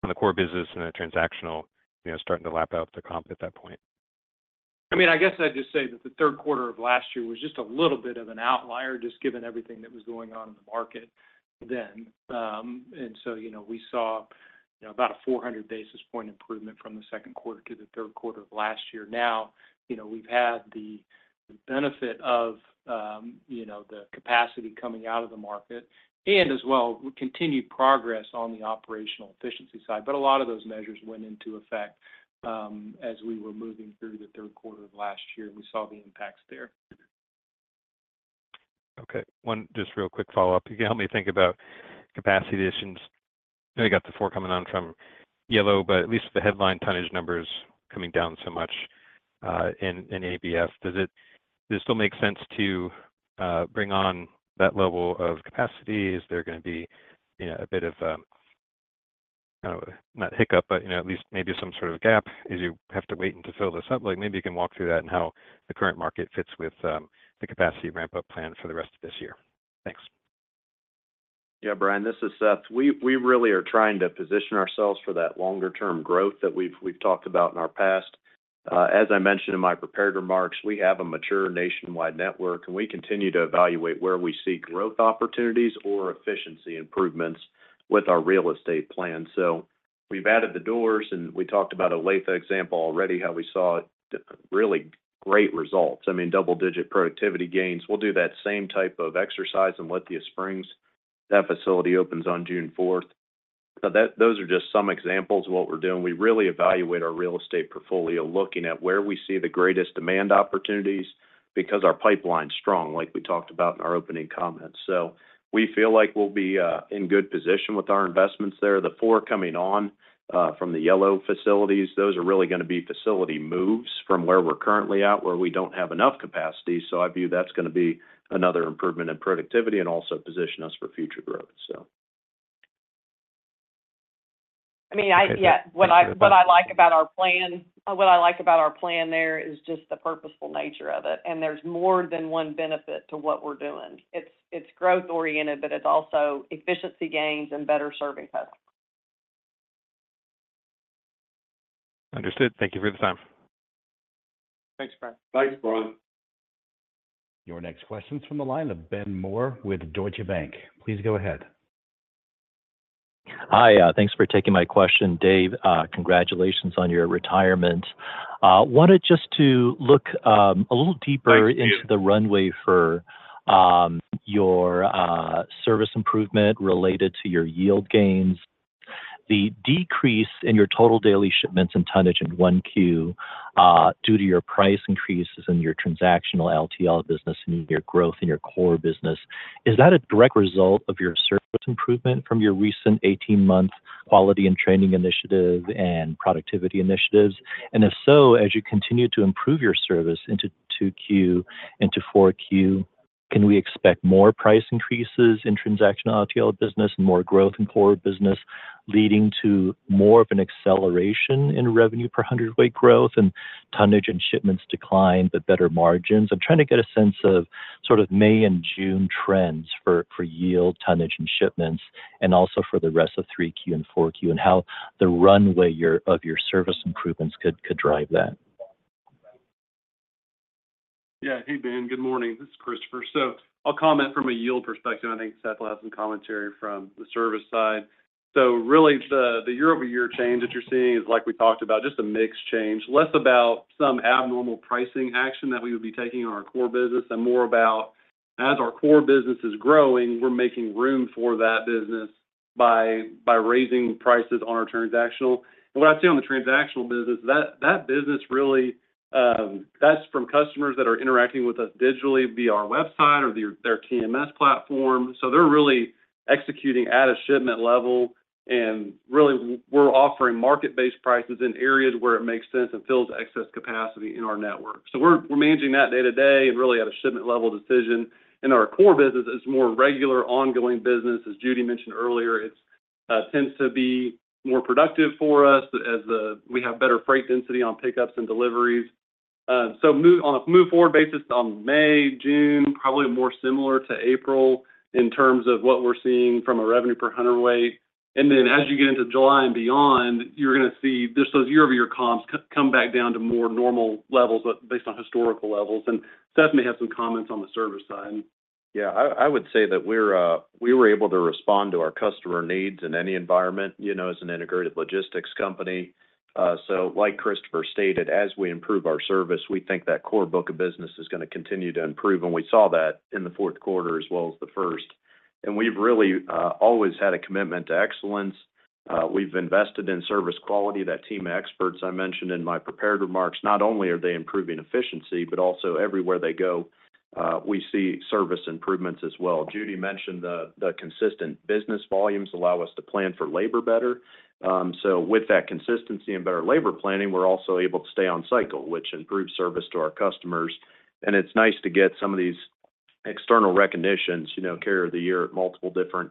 S13: on the core business and the transactional, you know, starting to lap out the comp at that point?
S4: I mean, I guess I'd just say that the third quarter of last year was just a little bit of an outlier, just given everything that was going on in the market then. And so, you know, we saw, you know, about a 400 basis point improvement from the second quarter to the third quarter of last year. Now, you know, we've had the, the benefit of, you know, the capacity coming out of the market and as well, continued progress on the operational efficiency side. But a lot of those measures went into effect, as we were moving through the third quarter of last year. We saw the impacts there.
S13: Okay, one just real quick follow-up. You can help me think about capacity additions. I got the 4 coming on from Yellow, but at least the headline tonnage numbers coming down so much in ABF. Does it still make sense to bring on that level of capacity? Is there going to be, you know, a bit of not hiccup, but, you know, at least maybe some sort of gap as you have to wait to fill this up? Like, maybe you can walk through that and how the current market fits with the capacity ramp-up plan for the rest of this year. Thanks.
S5: Yeah, Brian, this is Seth. We really are trying to position ourselves for that longer-term growth that we've talked about in our past. As I mentioned in my prepared remarks, we have a mature nationwide network, and we continue to evaluate where we see growth opportunities or efficiency improvements with our real estate plan. So we've added the doors, and we talked about an Olathe example already, how we saw really great results. I mean, double-digit productivity gains. We'll do that same type of exercise in Lithia Springs. That facility opens on June fourth. So those are just some examples of what we're doing. We really evaluate our real estate portfolio, looking at where we see the greatest demand opportunities, because our pipeline is strong, like we talked about in our opening comments. So we feel like we'll be in good position with our investments there. The four coming on from the Yellow facilities, those are really going to be facility moves from where we're currently at, where we don't have enough capacity. So I view that's going to be another improvement in productivity and also position us for future growth, so.
S3: I mean, yeah.
S13: Okay.
S3: What I like about our plan there is just the purposeful nature of it, and there's more than one benefit to what we're doing. It's growth oriented, but it's also efficiency gains and better serving customers.
S13: Understood. Thank you for the time.
S7: Thanks, Brian.
S5: Thanks, Brian.
S1: Your next question is from the line of Ben Moore with Deutsche Bank. Please go ahead.
S14: Hi, thanks for taking my question. Dave, congratulations on your retirement. Wanted just to look a little deeper-
S2: Thank you...
S14: into the runway for your service improvement related to your yield gains. The decrease in your total daily shipments and tonnage in 1Q due to your price increases in your transactional LTL business and your growth in your core business, is that a direct result of your service improvement from your recent 18-month quality and training initiative and productivity initiatives? And if so, as you continue to improve your service into 2Q, into 4Q, can we expect more price increases in transactional LTL business and more growth in core business, leading to more of an acceleration in revenue per hundredweight growth and tonnage and shipments decline, but better margins? I'm trying to get a sense of sort of May and June trends for yield, tonnage, and shipments, and also for the rest of 3Q and 4Q, and how the runway of your service improvements could drive that.
S7: Yeah. Hey, Ben, good morning. This is Christopher. So I'll comment from a yield perspective. I think Seth will have some commentary from the service side. So really, the YoY change that you're seeing is, like we talked about, just a mix change. Less about some abnormal pricing action that we would be taking in our core business and more about as our core business is growing, we're making room for that business by raising prices on our transactional. And what I'd say on the transactional business, that business really, that's from customers that are interacting with us digitally via our website or their TMS platform. So they're really executing at a shipment level, and really, we're offering market-based prices in areas where it makes sense and fills excess capacity in our network. So we're managing that day-to-day and really at a shipment level decision. And our core business is more regular, ongoing business. As Judy mentioned earlier, it tends to be more productive for us as we have better freight density on pickups and deliveries. So on a move-forward basis, on May, June, probably more similar to April in terms of what we're seeing from a revenue per hundredweight. And then as you get into July and beyond, you're going to see just those YoY comps come back down to more normal levels, based on historical levels. And Seth may have some comments on the service side.
S5: Yeah, I would say that we're, we were able to respond to our customer needs in any environment, you know, as an integrated logistics company. So like Christopher stated, as we improve our service, we think that core book of business is going to continue to improve, and we saw that in the fourth quarter as well as the first. And we've really, always had a commitment to excellence. We've invested in service quality. That team of experts I mentioned in my prepared remarks, not only are they improving efficiency, but also everywhere they go, we see service improvements as well. Judy mentioned the, the consistent business volumes allow us to plan for labor better. So with that consistency and better labor planning, we're also able to stay on cycle, which improves service to our customers. It's nice to get some of these external recognitions, you know, Carrier of the Year. Multiple different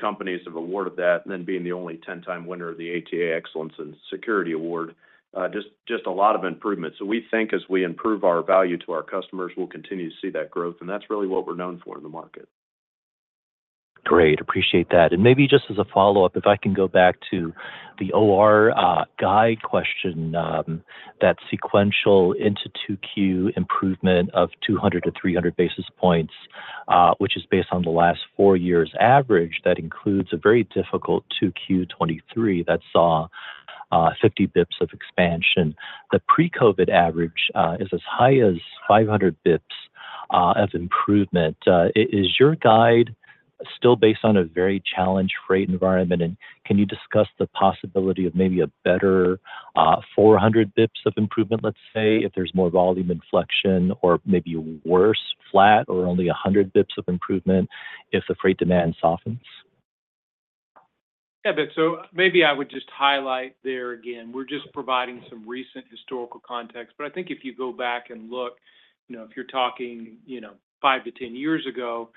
S5: companies have awarded that, and then being the only 10-time winner of the ATA Excellence in Security Award. Just a lot of improvements. We think as we improve our value to our customers, we'll continue to see that growth, and that's really what we're known for in the market.
S14: Great. Appreciate that. And maybe just as a follow-up, if I can go back to the OR guide question, that sequential into 2Q improvement of 200-300 basis points, which is based on the last four years average, that includes a very difficult 2Q-2023 that saw 50 basis points of expansion. The pre-COVID average is as high as 500 basis points as improvement. Is your guide- ... still based on a very challenged freight environment, and can you discuss the possibility of maybe a better, four hundred basis points of improvement, let's say, if there's more volume inflection, or maybe a worse flat, or only a hundred basis points of improvement if the freight demand softens?
S4: Yeah, but so maybe I would just highlight there again, we're just providing some recent historical context. But I think if you go back and look, you know, if you're talking, you know, 5-10 years ago,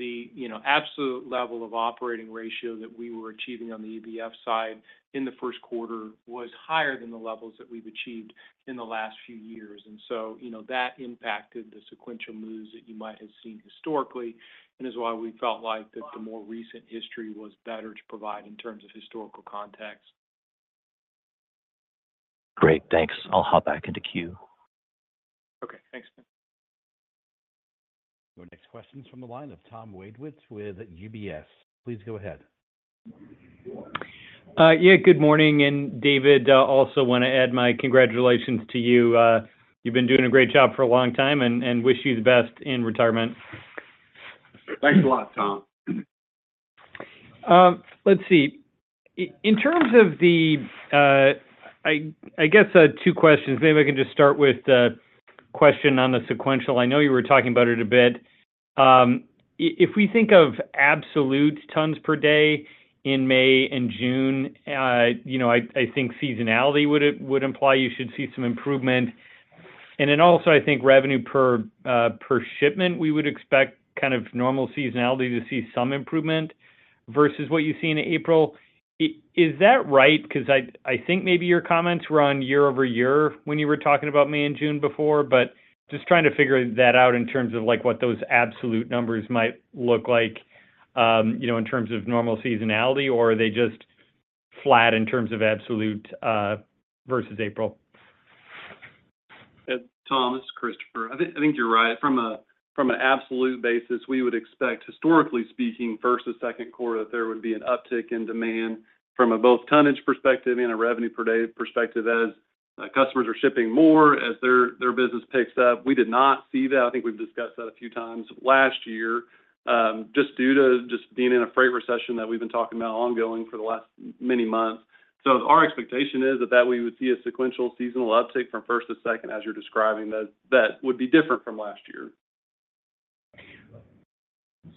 S4: the, you know, absolute level of operating ratio that we were achieving on the ABF side in the first quarter was higher than the levels that we've achieved in the last few years. And so, you know, that impacted the sequential moves that you might have seen historically, and is why we felt like that the more recent history was better to provide in terms of historical context.
S14: Great, thanks. I'll hop back into queue.
S4: Okay, thanks.
S1: Your next question is from the line of Tom Wadewitz with UBS. Please go ahead.
S15: Yeah, good morning, and David, also want to add my congratulations to you. You've been doing a great job for a long time, and, and wish you the best in retirement.
S2: Thanks a lot, Tom.
S15: Let's see. In terms of the, I guess, two questions. Maybe I can just start with the question on the sequential. I know you were talking about it a bit. If we think of absolute tons per day in May and June, you know, I think seasonality would imply you should see some improvement. And then also, I think revenue per shipment, we would expect kind of normal seasonality to see some improvement versus what you see in April. Is that right? Because I think maybe your comments were on YoY when you were talking about May and June before, but just trying to figure that out in terms of like, what those absolute numbers might look like, you know, in terms of normal seasonality, or are they just flat in terms of absolute, versus April?
S7: Tom, this is Christopher. I think you're right. From an absolute basis, we would expect, historically speaking, first to second quarter, that there would be an uptick in demand from a both tonnage perspective and a revenue per day perspective, as customers are shipping more as their, their business picks up. We did not see that. I think we've discussed that a few times last year, just due to just being in a freight recession that we've been talking about ongoing for the last many months. So our expectation is that, that we would see a sequential seasonal uptick from first to second, as you're describing, that, that would be different from last year.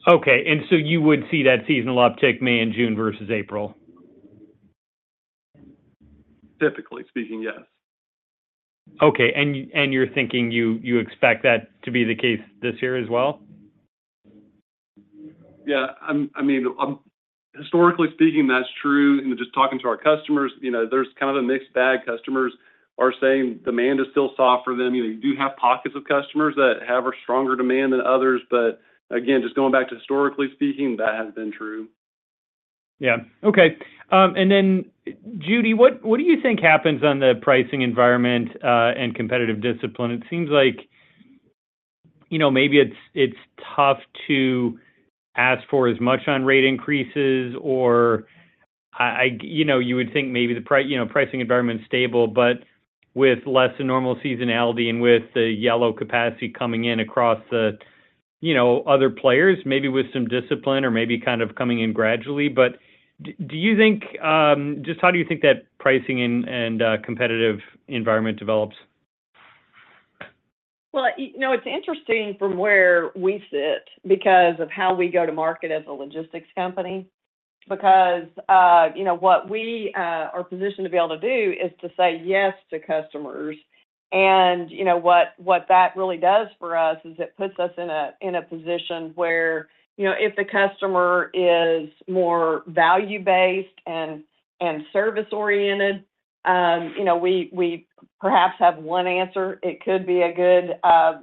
S15: Okay, and so you would see that seasonal uptick May and June versus April?
S7: Typically speaking, yes.
S15: Okay, and you're thinking you expect that to be the case this year as well?
S7: Yeah, I mean, historically speaking, that's true. And just talking to our customers, you know, there's kind of a mixed bag. Customers are saying demand is still soft for them. You know, you do have pockets of customers that have a stronger demand than others, but again, just going back to historically speaking, that has been true.
S15: Yeah. Okay. And then, Judy, what do you think happens on the pricing environment and competitive discipline? It seems like, you know, maybe it's tough to ask for as much on rate increases, or... You know, you would think maybe the pricing environment is stable, but with less than normal seasonality and with the Yellow capacity coming in across the, you know, other players, maybe with some discipline or maybe kind of coming in gradually. But do you think, just how do you think that pricing and competitive environment develops?
S3: Well, you know, it's interesting from where we sit because of how we go to market as a logistics company, because, you know, what we are positioned to be able to do is to say yes to customers. And, you know, what that really does for us is it puts us in a position where, you know, if the customer is more value-based and service-oriented, you know, we perhaps have one answer. It could be a good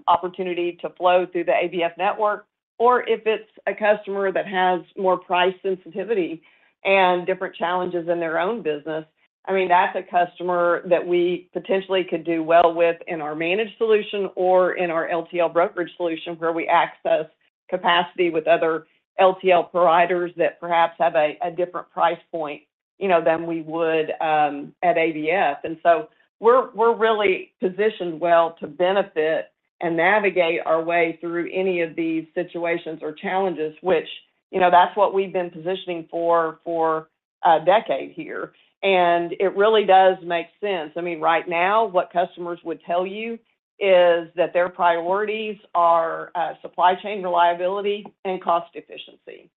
S3: opportunity to flow through the ABF network, or if it's a customer that has more price sensitivity and different challenges in their own business, I mean, that's a customer that we potentially could do well with in our managed solution or in our LTL brokerage solution, where we access capacity with other LTL providers that perhaps have a different price point, you know, than we would at ABF. And so we're, we're really positioned well to benefit and navigate our way through any of these situations or challenges, which, you know, that's what we've been positioning for, for a decade here. And it really does make sense. I mean, right now, what customers would tell you is that their priorities are supply chain reliability and cost efficiency.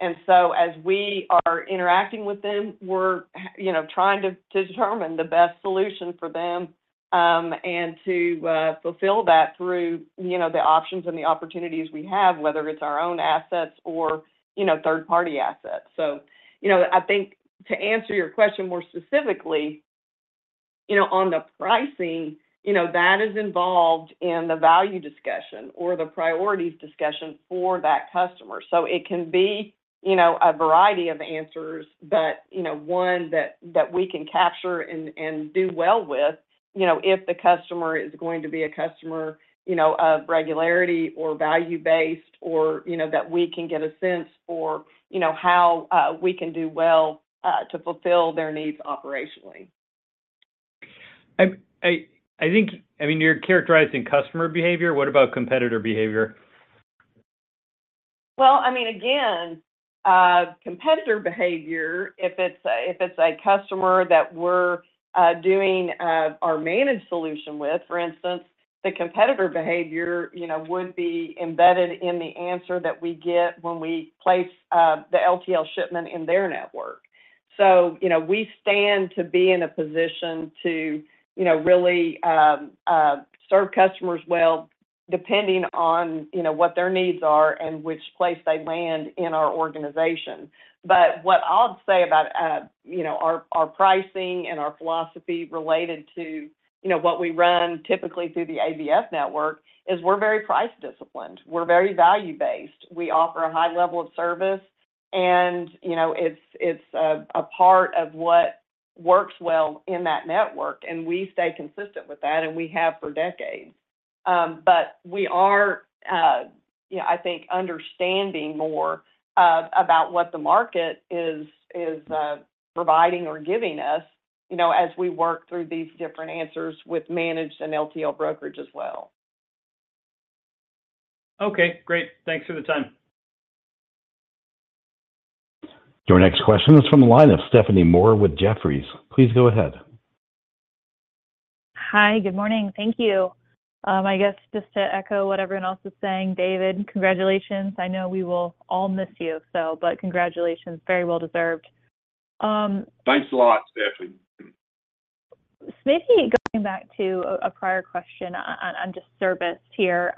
S3: And so as we are interacting with them, we're, you know, trying to, to determine the best solution for them, and to, fulfill that through, you know, the options and the opportunities we have, whether it's our own assets or, you know, third-party assets. So, you know, I think to answer your question more specifically, you know, on the pricing, you know, that is involved in the value discussion or the priorities discussion for that customer. So it can be, you know, a variety of answers, but, you know, one that, that we can capture and, and do well with, you know, if the customer is going to be a customer, you know, of regularity or value-based or, you know, that we can get a sense for, you know, how, we can do well, to fulfill their needs operationally.
S15: I think, I mean, you're characterizing customer behavior. What about competitor behavior?
S3: Well, I mean, again, competitor behavior, if it's a customer that we're doing our managed solution with, for instance, the competitor behavior, you know, would be embedded in the answer that we get when we place the LTL shipment in their network. So, you know, we stand to be in a position to, you know, really serve customers well, depending on, you know, what their needs are and which place they land in our organization. But what I'd say about, you know, our pricing and our philosophy related to, you know, what we run typically through the ABF network is we're very price-disciplined. We're very value-based. We offer a high level of service, and, you know, it's a part of what works well in that network, and we stay consistent with that, and we have for decades. But we are, you know, I think, understanding more about what the market is providing or giving us, you know, as we work through these different answers with managed and LTL brokerage as well.
S15: Okay, great. Thanks for the time.
S1: Your next question is from the line of Stephanie Moore with Jefferies. Please go ahead.
S16: Hi, good morning. Thank you. I guess just to echo what everyone else is saying, David, congratulations. I know we will all miss you, so, but congratulations. Very well deserved.
S2: Thanks a lot, Stephanie.
S16: Maybe going back to a prior question on just service here.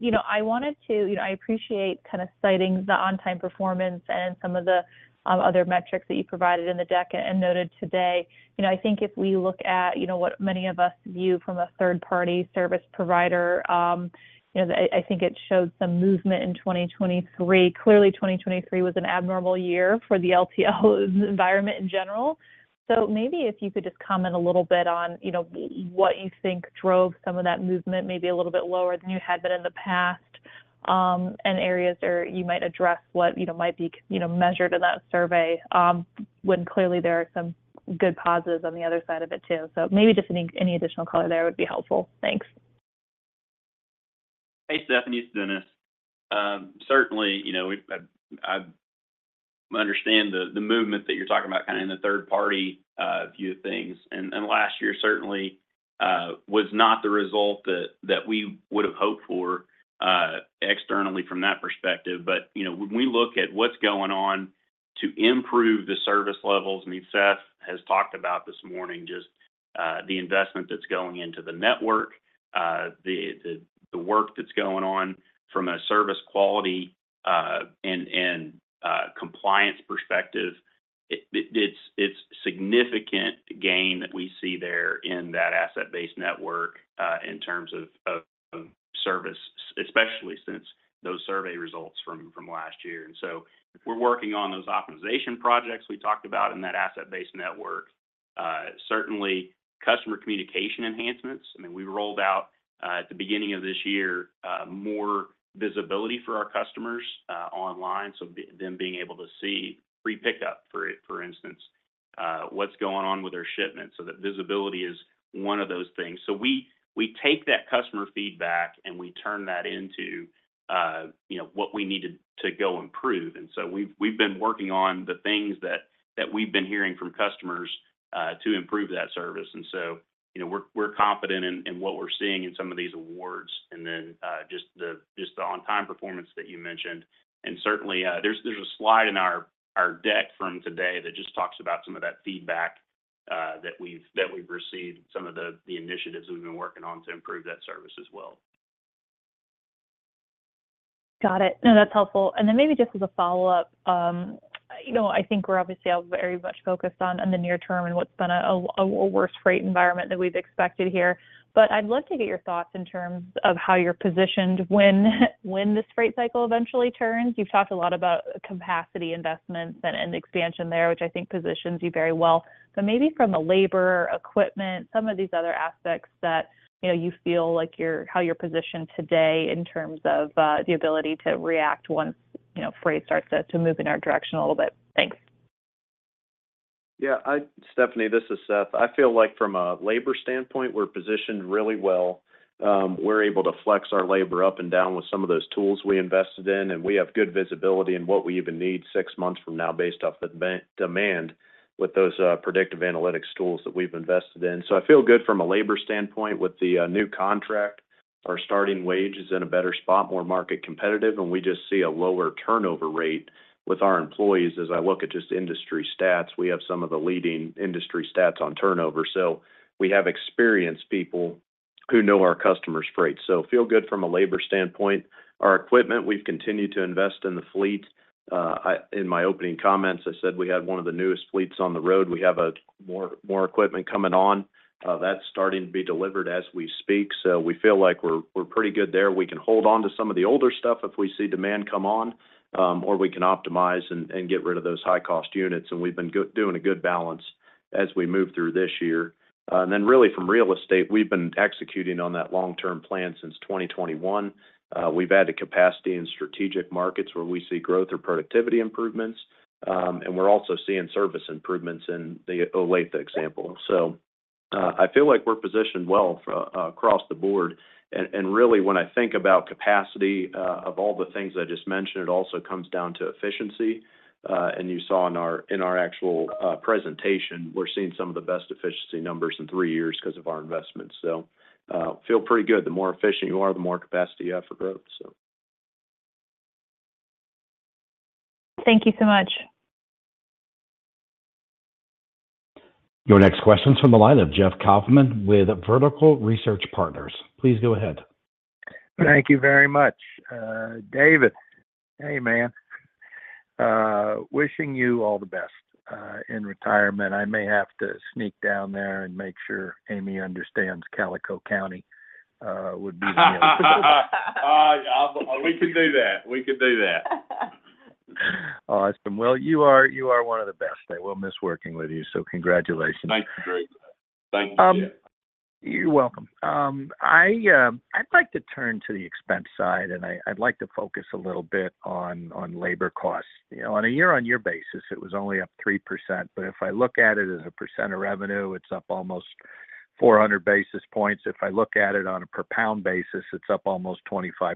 S16: You know, I wanted to—you know, I appreciate kind of citing the on-time performance and some of the other metrics that you provided in the deck and noted today. You know, I think if we look at what many of us view from a third-party service provider, you know, I think it shows some movement in 2023. Clearly, 2023 was an abnormal year for the LTL environment in general. So maybe if you could just comment a little bit on, you know, what you think drove some of that movement, maybe a little bit lower than you had been in the past, and areas where you might address what, you know, might be, you know, measured in that survey, when clearly there are some good causes on the other side of it too. So maybe just any, any additional color there would be helpful. Thanks.
S17: Hey, Stephanie, it's Dennis. Certainly, you know, I understand the movement that you're talking about kind of in the third party view of things. And last year certainly was not the result that we would have hoped for externally from that perspective. But, you know, when we look at what's going on to improve the service levels, I mean, Seth has talked about this morning just the investment that's going into the network, the work that's going on from a service quality and compliance perspective. It's significant gain that we see there in that asset-based network in terms of service, especially since those survey results from last year. And so we're working on those optimization projects we talked about in that asset-based network. Certainly customer communication enhancements. I mean, we rolled out at the beginning of this year more visibility for our customers online. So them being able to see free pickup, for instance, what's going on with their shipments. So that visibility is one of those things. So we take that customer feedback, and we turn that into, you know, what we need to go improve. And so we've been working on the things that we've been hearing from customers to improve that service. And so, you know, we're confident in what we're seeing in some of these awards and then just the on-time performance that you mentioned. And certainly, there's a slide in our deck from today that just talks about some of that feedback that we've received, some of the initiatives we've been working on to improve that service as well.
S16: Got it. No, that's helpful. And then maybe just as a follow-up, you know, I think we're obviously all very much focused on, on the near term and what's been a worse freight environment than we've expected here. But I'd love to get your thoughts in terms of how you're positioned when, when this freight cycle eventually turns. You've talked a lot about capacity investments and, and expansion there, which I think positions you very well. So maybe from a labor, equipment, some of these other aspects that, you know, you feel like you're—how you're positioned today in terms of, the ability to react once, you know, freight starts to, to move in our direction a little bit. Thanks.
S5: Yeah, Stephanie, this is Seth. I feel like from a labor standpoint, we're positioned really well. We're able to flex our labor up and down with some of those tools we invested in, and we have good visibility in what we even need six months from now, based off the demand, with those predictive analytics tools that we've invested in. So I feel good from a labor standpoint. With the new contract, our starting wage is in a better spot, more market competitive, and we just see a lower turnover rate with our employees. As I look at just industry stats, we have some of the leading industry stats on turnover. So we have experienced people who know our customers' freight. So feel good from a labor standpoint. Our equipment, we've continued to invest in the fleet. In my opening comments, I said we had one of the newest fleets on the road. We have more equipment coming on. That's starting to be delivered as we speak, so we feel like we're pretty good there. We can hold on to some of the older stuff if we see demand come on, or we can optimize and get rid of those high-cost units, and we've been doing a good balance as we move through this year. And then really from real estate, we've been executing on that long-term plan since 2021. We've added capacity in strategic markets where we see growth or productivity improvements, and we're also seeing service improvements in the Olathe example. I feel like we're positioned well across the board. And really, when I think about capacity, of all the things I just mentioned, it also comes down to efficiency. And you saw in our actual presentation, we're seeing some of the best efficiency numbers in three years 'cause of our investments. So, feel pretty good. The more efficient you are, the more capacity you have for growth, so.
S16: Thank you so much.
S1: Your next question's from the line of Jeff Kauffman with Vertical Research Partners. Please go ahead.
S18: Thank you very much. David, hey, man. Wishing you all the best in retirement. I may have to sneak down there and make sure Amy understands Calico County would be the-
S2: We can do that. We can do that.
S18: Awesome. Well, you are, you are one of the best. I will miss working with you, so congratulations.
S2: Thanks, Jeff. Thank you, Jeff.
S18: You're welcome. I'd like to turn to the expense side, and I'd like to focus a little bit on labor costs. You know, on a year-on-year basis, it was only up 3%, but if I look at it as a percent of revenue, it's up almost 400 basis points. If I look at it on a per pound basis, it's up almost 25%.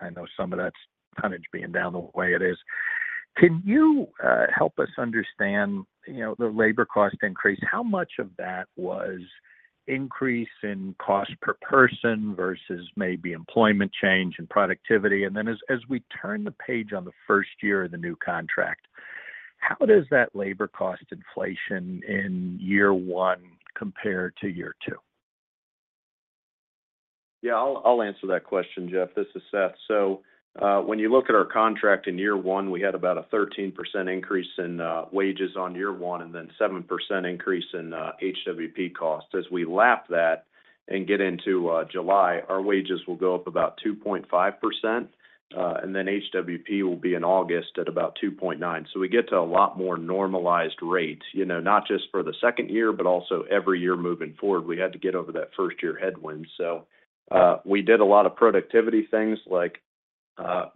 S18: I know some of that's tonnage being down the way it is. Can you help us understand, you know, the labor cost increase? How much of that was increase in cost per person versus maybe employment change and productivity? And then as we turn the page on the first year of the new contract, how does that labor cost inflation in year one compare to year two?
S5: Yeah, I'll, I'll answer that question, Jeff. This is Seth. So, when you look at our contract in year one, we had about a 13% increase in wages on year one, and then 7% increase in HWP costs. As we lap that and get into July, our wages will go up about 2.5%, and then HWP will be in August at about 2.9%. So we get to a lot more normalized rates, you know, not just for the second year, but also every year moving forward. We had to get over that first-year headwind. So, we did a lot of productivity things, like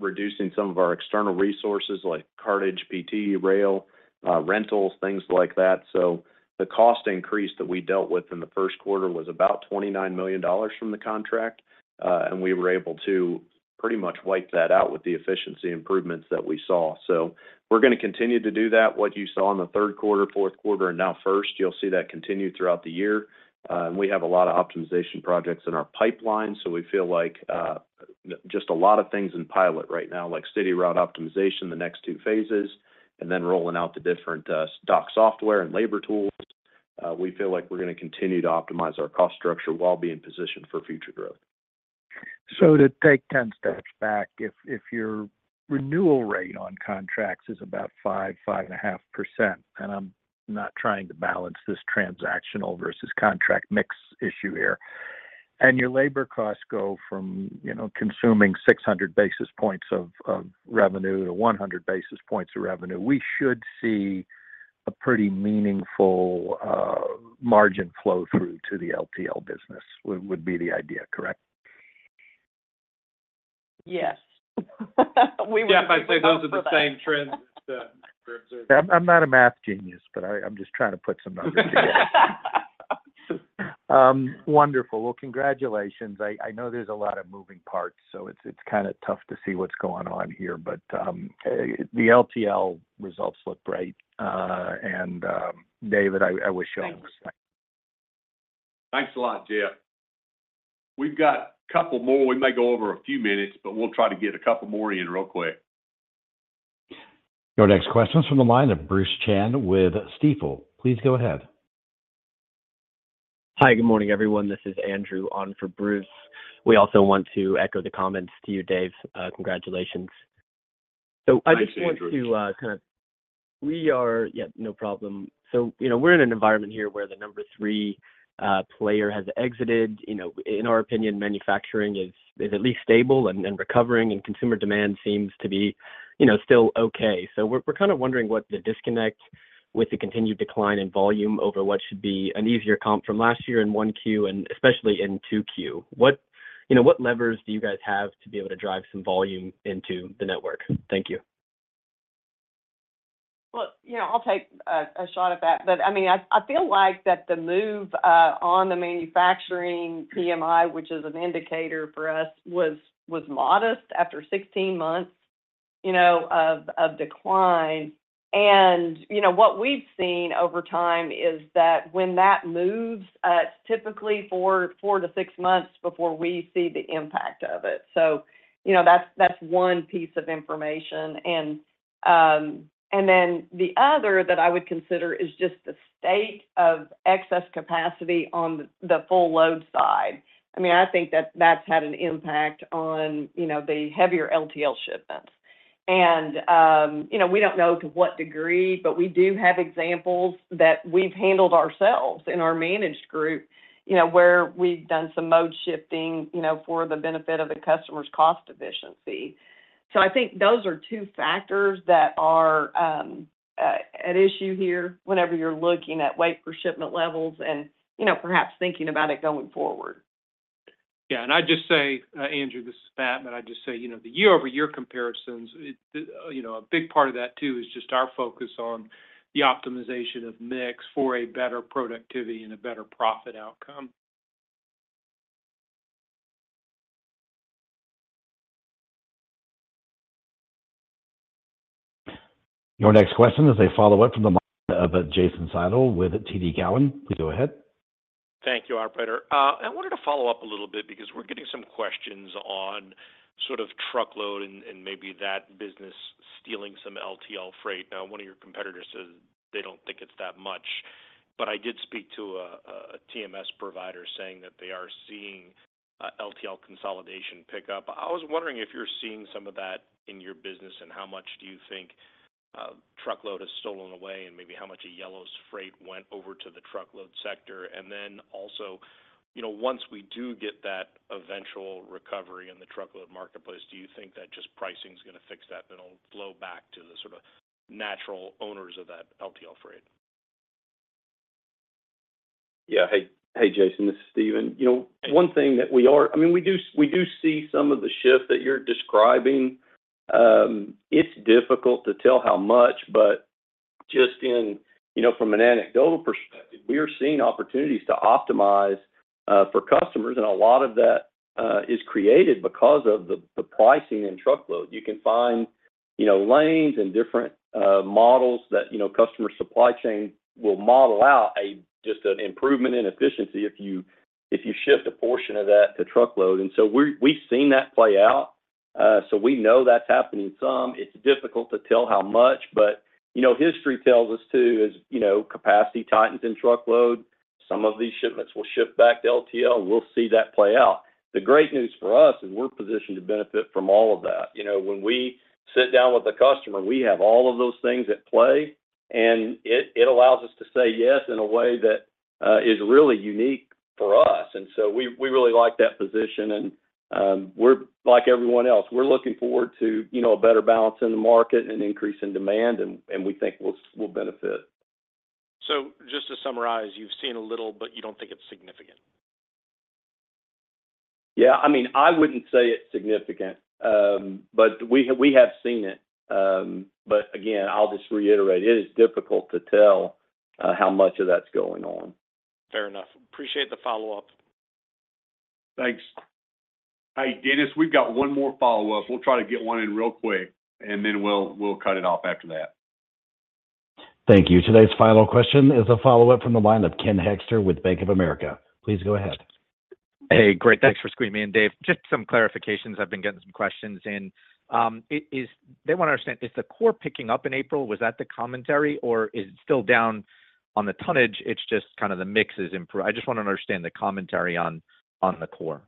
S5: reducing some of our external resources, like cartage, PT, rail, rentals, things like that. So the cost increase that we dealt with in the first quarter was about $29 million from the contract, and we were able to pretty much wipe that out with the efficiency improvements that we saw. So we're gonna continue to do that. What you saw in the third quarter, fourth quarter, and now first, you'll see that continue throughout the year. And we have a lot of optimization projects in our pipeline, so we feel like just a lot of things in pilot right now, like City Route Optimization, the next two phases, and then rolling out the different dock software and labor tools. We feel like we're gonna continue to optimize our cost structure while being positioned for future growth.
S18: So to take ten steps back, if your renewal rate on contracts is about 5%-5.5%, and I'm not trying to balance this transactional versus contract mix issue here, and your labor costs go from, you know, consuming 600 basis points of revenue to 100 basis points of revenue, we should see a pretty meaningful margin flow through to the LTL business, would be the idea, correct?
S3: Yes. We would-
S5: Jeff, I'd say those are the same trends that we're observing.
S18: I'm not a math genius, but I'm just trying to put some numbers together. Wonderful. Well, congratulations. I know there's a lot of moving parts, so it's kinda tough to see what's going on here, but the LTL results look great. And David, I wish y'all-
S2: Thanks. Thanks a lot, Jeff. We've got a couple more. We may go over a few minutes, but we'll try to get a couple more in real quick.
S1: Your next question is from the line of Bruce Chan with Stifel. Please go ahead.
S19: Hi, good morning, everyone. This is Andrew on for Bruce. We also want to echo the comments to you, Dave. Congratulations.
S2: Thanks, Andrew.
S19: So, you know, we're in an environment here where the number three player has exited. You know, in our opinion, manufacturing is at least stable and recovering, and consumer demand seems to be, you know, still okay. So we're kind of wondering what the disconnect with the continued decline in volume over what should be an easier comp from last year in 1Q and especially in 2Q. What, you know, what levers do you guys have to be able to drive some volume into the network? Thank you.
S3: Well, you know, I'll take a shot at that. But I mean, I feel like that the move on the manufacturing PMI, which is an indicator for us, was modest after 16 months, you know, of decline. And, you know, what we've seen over time is that when that moves, it's typically four to six months before we see the impact of it. So, you know, that's one piece of information. And, and then the other that I would consider is just the state of excess capacity on the full load side. I mean, I think that's had an impact on, you know, the heavier LTL shipments. You know, we don't know to what degree, but we do have examples that we've handled ourselves in our managed group, you know, where we've done some mode shifting, you know, for the benefit of the customer's cost efficiency. So I think those are two factors that are at issue here whenever you're looking at weight per shipment levels and, you know, perhaps thinking about it going forward.
S4: Yeah, and I'd just say, Andrew, this is Matt, and I'd just say, you know, the YoY comparisons, you know, a big part of that too is just our focus on the optimization of mix for a better productivity and a better profit outcome.
S1: Your next question is a follow-up from the line of, Jason Seidl with TD Cowen. Please go ahead.
S8: Thank you, operator. I wanted to follow up a little bit because we're getting some questions on sort of truckload and, and maybe that business stealing some LTL freight. Now, one of your competitors says they don't think it's that much. But I did speak to a, a TMS provider saying that they are seeing LTL consolidation pick up. I was wondering if you're seeing some of that in your business, and how much do you think truckload has stolen away, and maybe how much of Yellow's freight went over to the truckload sector? And then also, you know, once we do get that eventual recovery in the truckload marketplace, do you think that just pricing is gonna fix that, it'll flow back to the sort of natural owners of that LTL freight?
S12: Yeah. Hey, hey, Jason, this is Steven. You know, one thing that we are—I mean, we do, we do see some of the shift that you're describing. It's difficult to tell how much, but just in, you know, from an anecdotal perspective, we are seeing opportunities to optimize for customers, and a lot of that is created because of the pricing in truckload. You can find, you know, lanes and different models that, you know, customer supply chain will model out a just an improvement in efficiency if you shift a portion of that to truckload. And so we've seen that play out, so we know that's happening some. It's difficult to tell how much, but you know, history tells us you know, capacity tightens in truckload, some of these shipments will ship back to LTL, and we'll see that play out. The great news for us is we're positioned to benefit from all of that. You know, when we sit down with a customer, we have all of those things at play, and it allows us to say yes in a way that is really unique for us. And so we really like that position. And we're like everyone else, we're looking forward to you know, a better balance in the market and an increase in demand, and we think we'll benefit.
S8: Just to summarize, you've seen a little, but you don't think it's significant?
S12: Yeah. I mean, I wouldn't say it's significant, but we have seen it. But again, I'll just reiterate, it is difficult to tell how much of that's going on.
S8: Fair enough. Appreciate the follow-up.
S2: Thanks. Hey, Dennis, we've got one more follow-up. We'll try to get one in real quick, and then we'll, we'll cut it off after that.
S1: Thank you. Today's final question is a follow-up from the line of Ken Hoexter with Bank of America. Please go ahead.
S10: Hey, great. Thanks for squeezing me in, Dave. Just some clarifications. I've been getting some questions in. It is, they want to understand, is the core picking up in April? Was that the commentary, or is it still down on the tonnage? It's just kind of the mix is improved. I just want to understand the commentary on the core.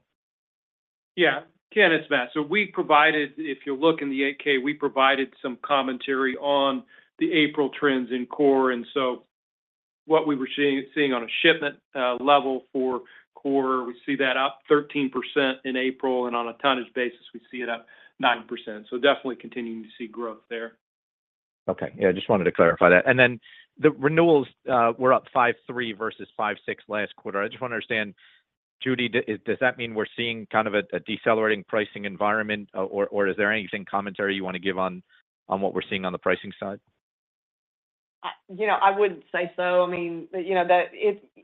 S4: Yeah. Ken, it's Matt. So we provided... If you look in the 8-K, we provided some commentary on the April trends in core. And so what we were seeing on a shipment level for core, we see that up 13% in April, and on a tonnage basis, we see it up 9%. So definitely continuing to see growth there.
S10: Okay. Yeah, I just wanted to clarify that. And then the renewals were up 5.3 versus 5.6 last quarter. I just want to understand, Judy, does that mean we're seeing kind of a decelerating pricing environment, or is there any commentary you want to give on what we're seeing on the pricing side?
S3: You know, I wouldn't say so. I mean, you know,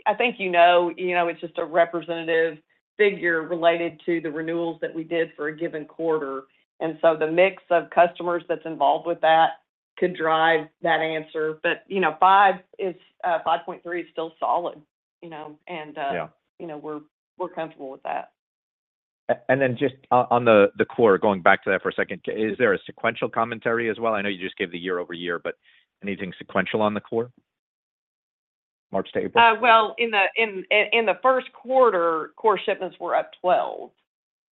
S3: I think you know, you know, it's just a representative figure related to the renewals that we did for a given quarter. And so the mix of customers that's involved with that could drive that answer. But 5.3 is still solid, you know.
S10: Yeah.
S3: You know, we're comfortable with that.
S10: And then just on the core, going back to that for a second, is there a sequential commentary as well? I know you just gave the YoY, but anything sequential on the core, March to April?
S3: Well, in the first quarter, core shipments were up 12,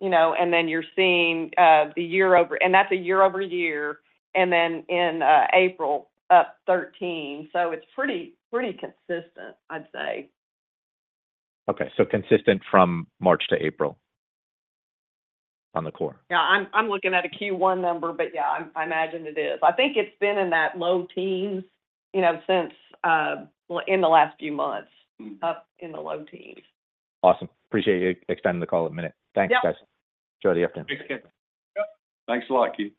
S3: you know, and then you're seeing the YoY, and that's a YoY, and then in April, up 13. So it's pretty, pretty consistent, I'd say.
S10: Okay. So consistent from March to April on the core?
S3: Yeah, I'm looking at a Q1 number, but yeah, I imagine it is. I think it's been in that low teens, you know, since well, in the last few months.
S10: Mm-hmm.
S3: Up in the low teens.
S10: Awesome. Appreciate you extending the call a minute.
S3: Yeah.
S10: Thanks, guys. Enjoy the afternoon.
S2: Thanks, Ken. Yep. Thanks a lot, Ken.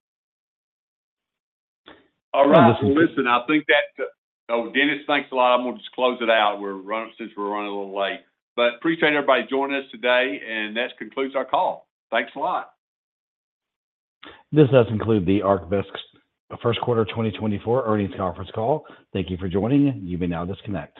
S2: All right. Well, listen, I think that— Oh, Dennis, thanks a lot. I'm gonna just close it out. We're running— since we're running a little late. But appreciate everybody joining us today, and that concludes our call. Thanks a lot.
S1: This does conclude ArcBest's first quarter 2024 earnings conference call. Thank you for joining in. You may now disconnect.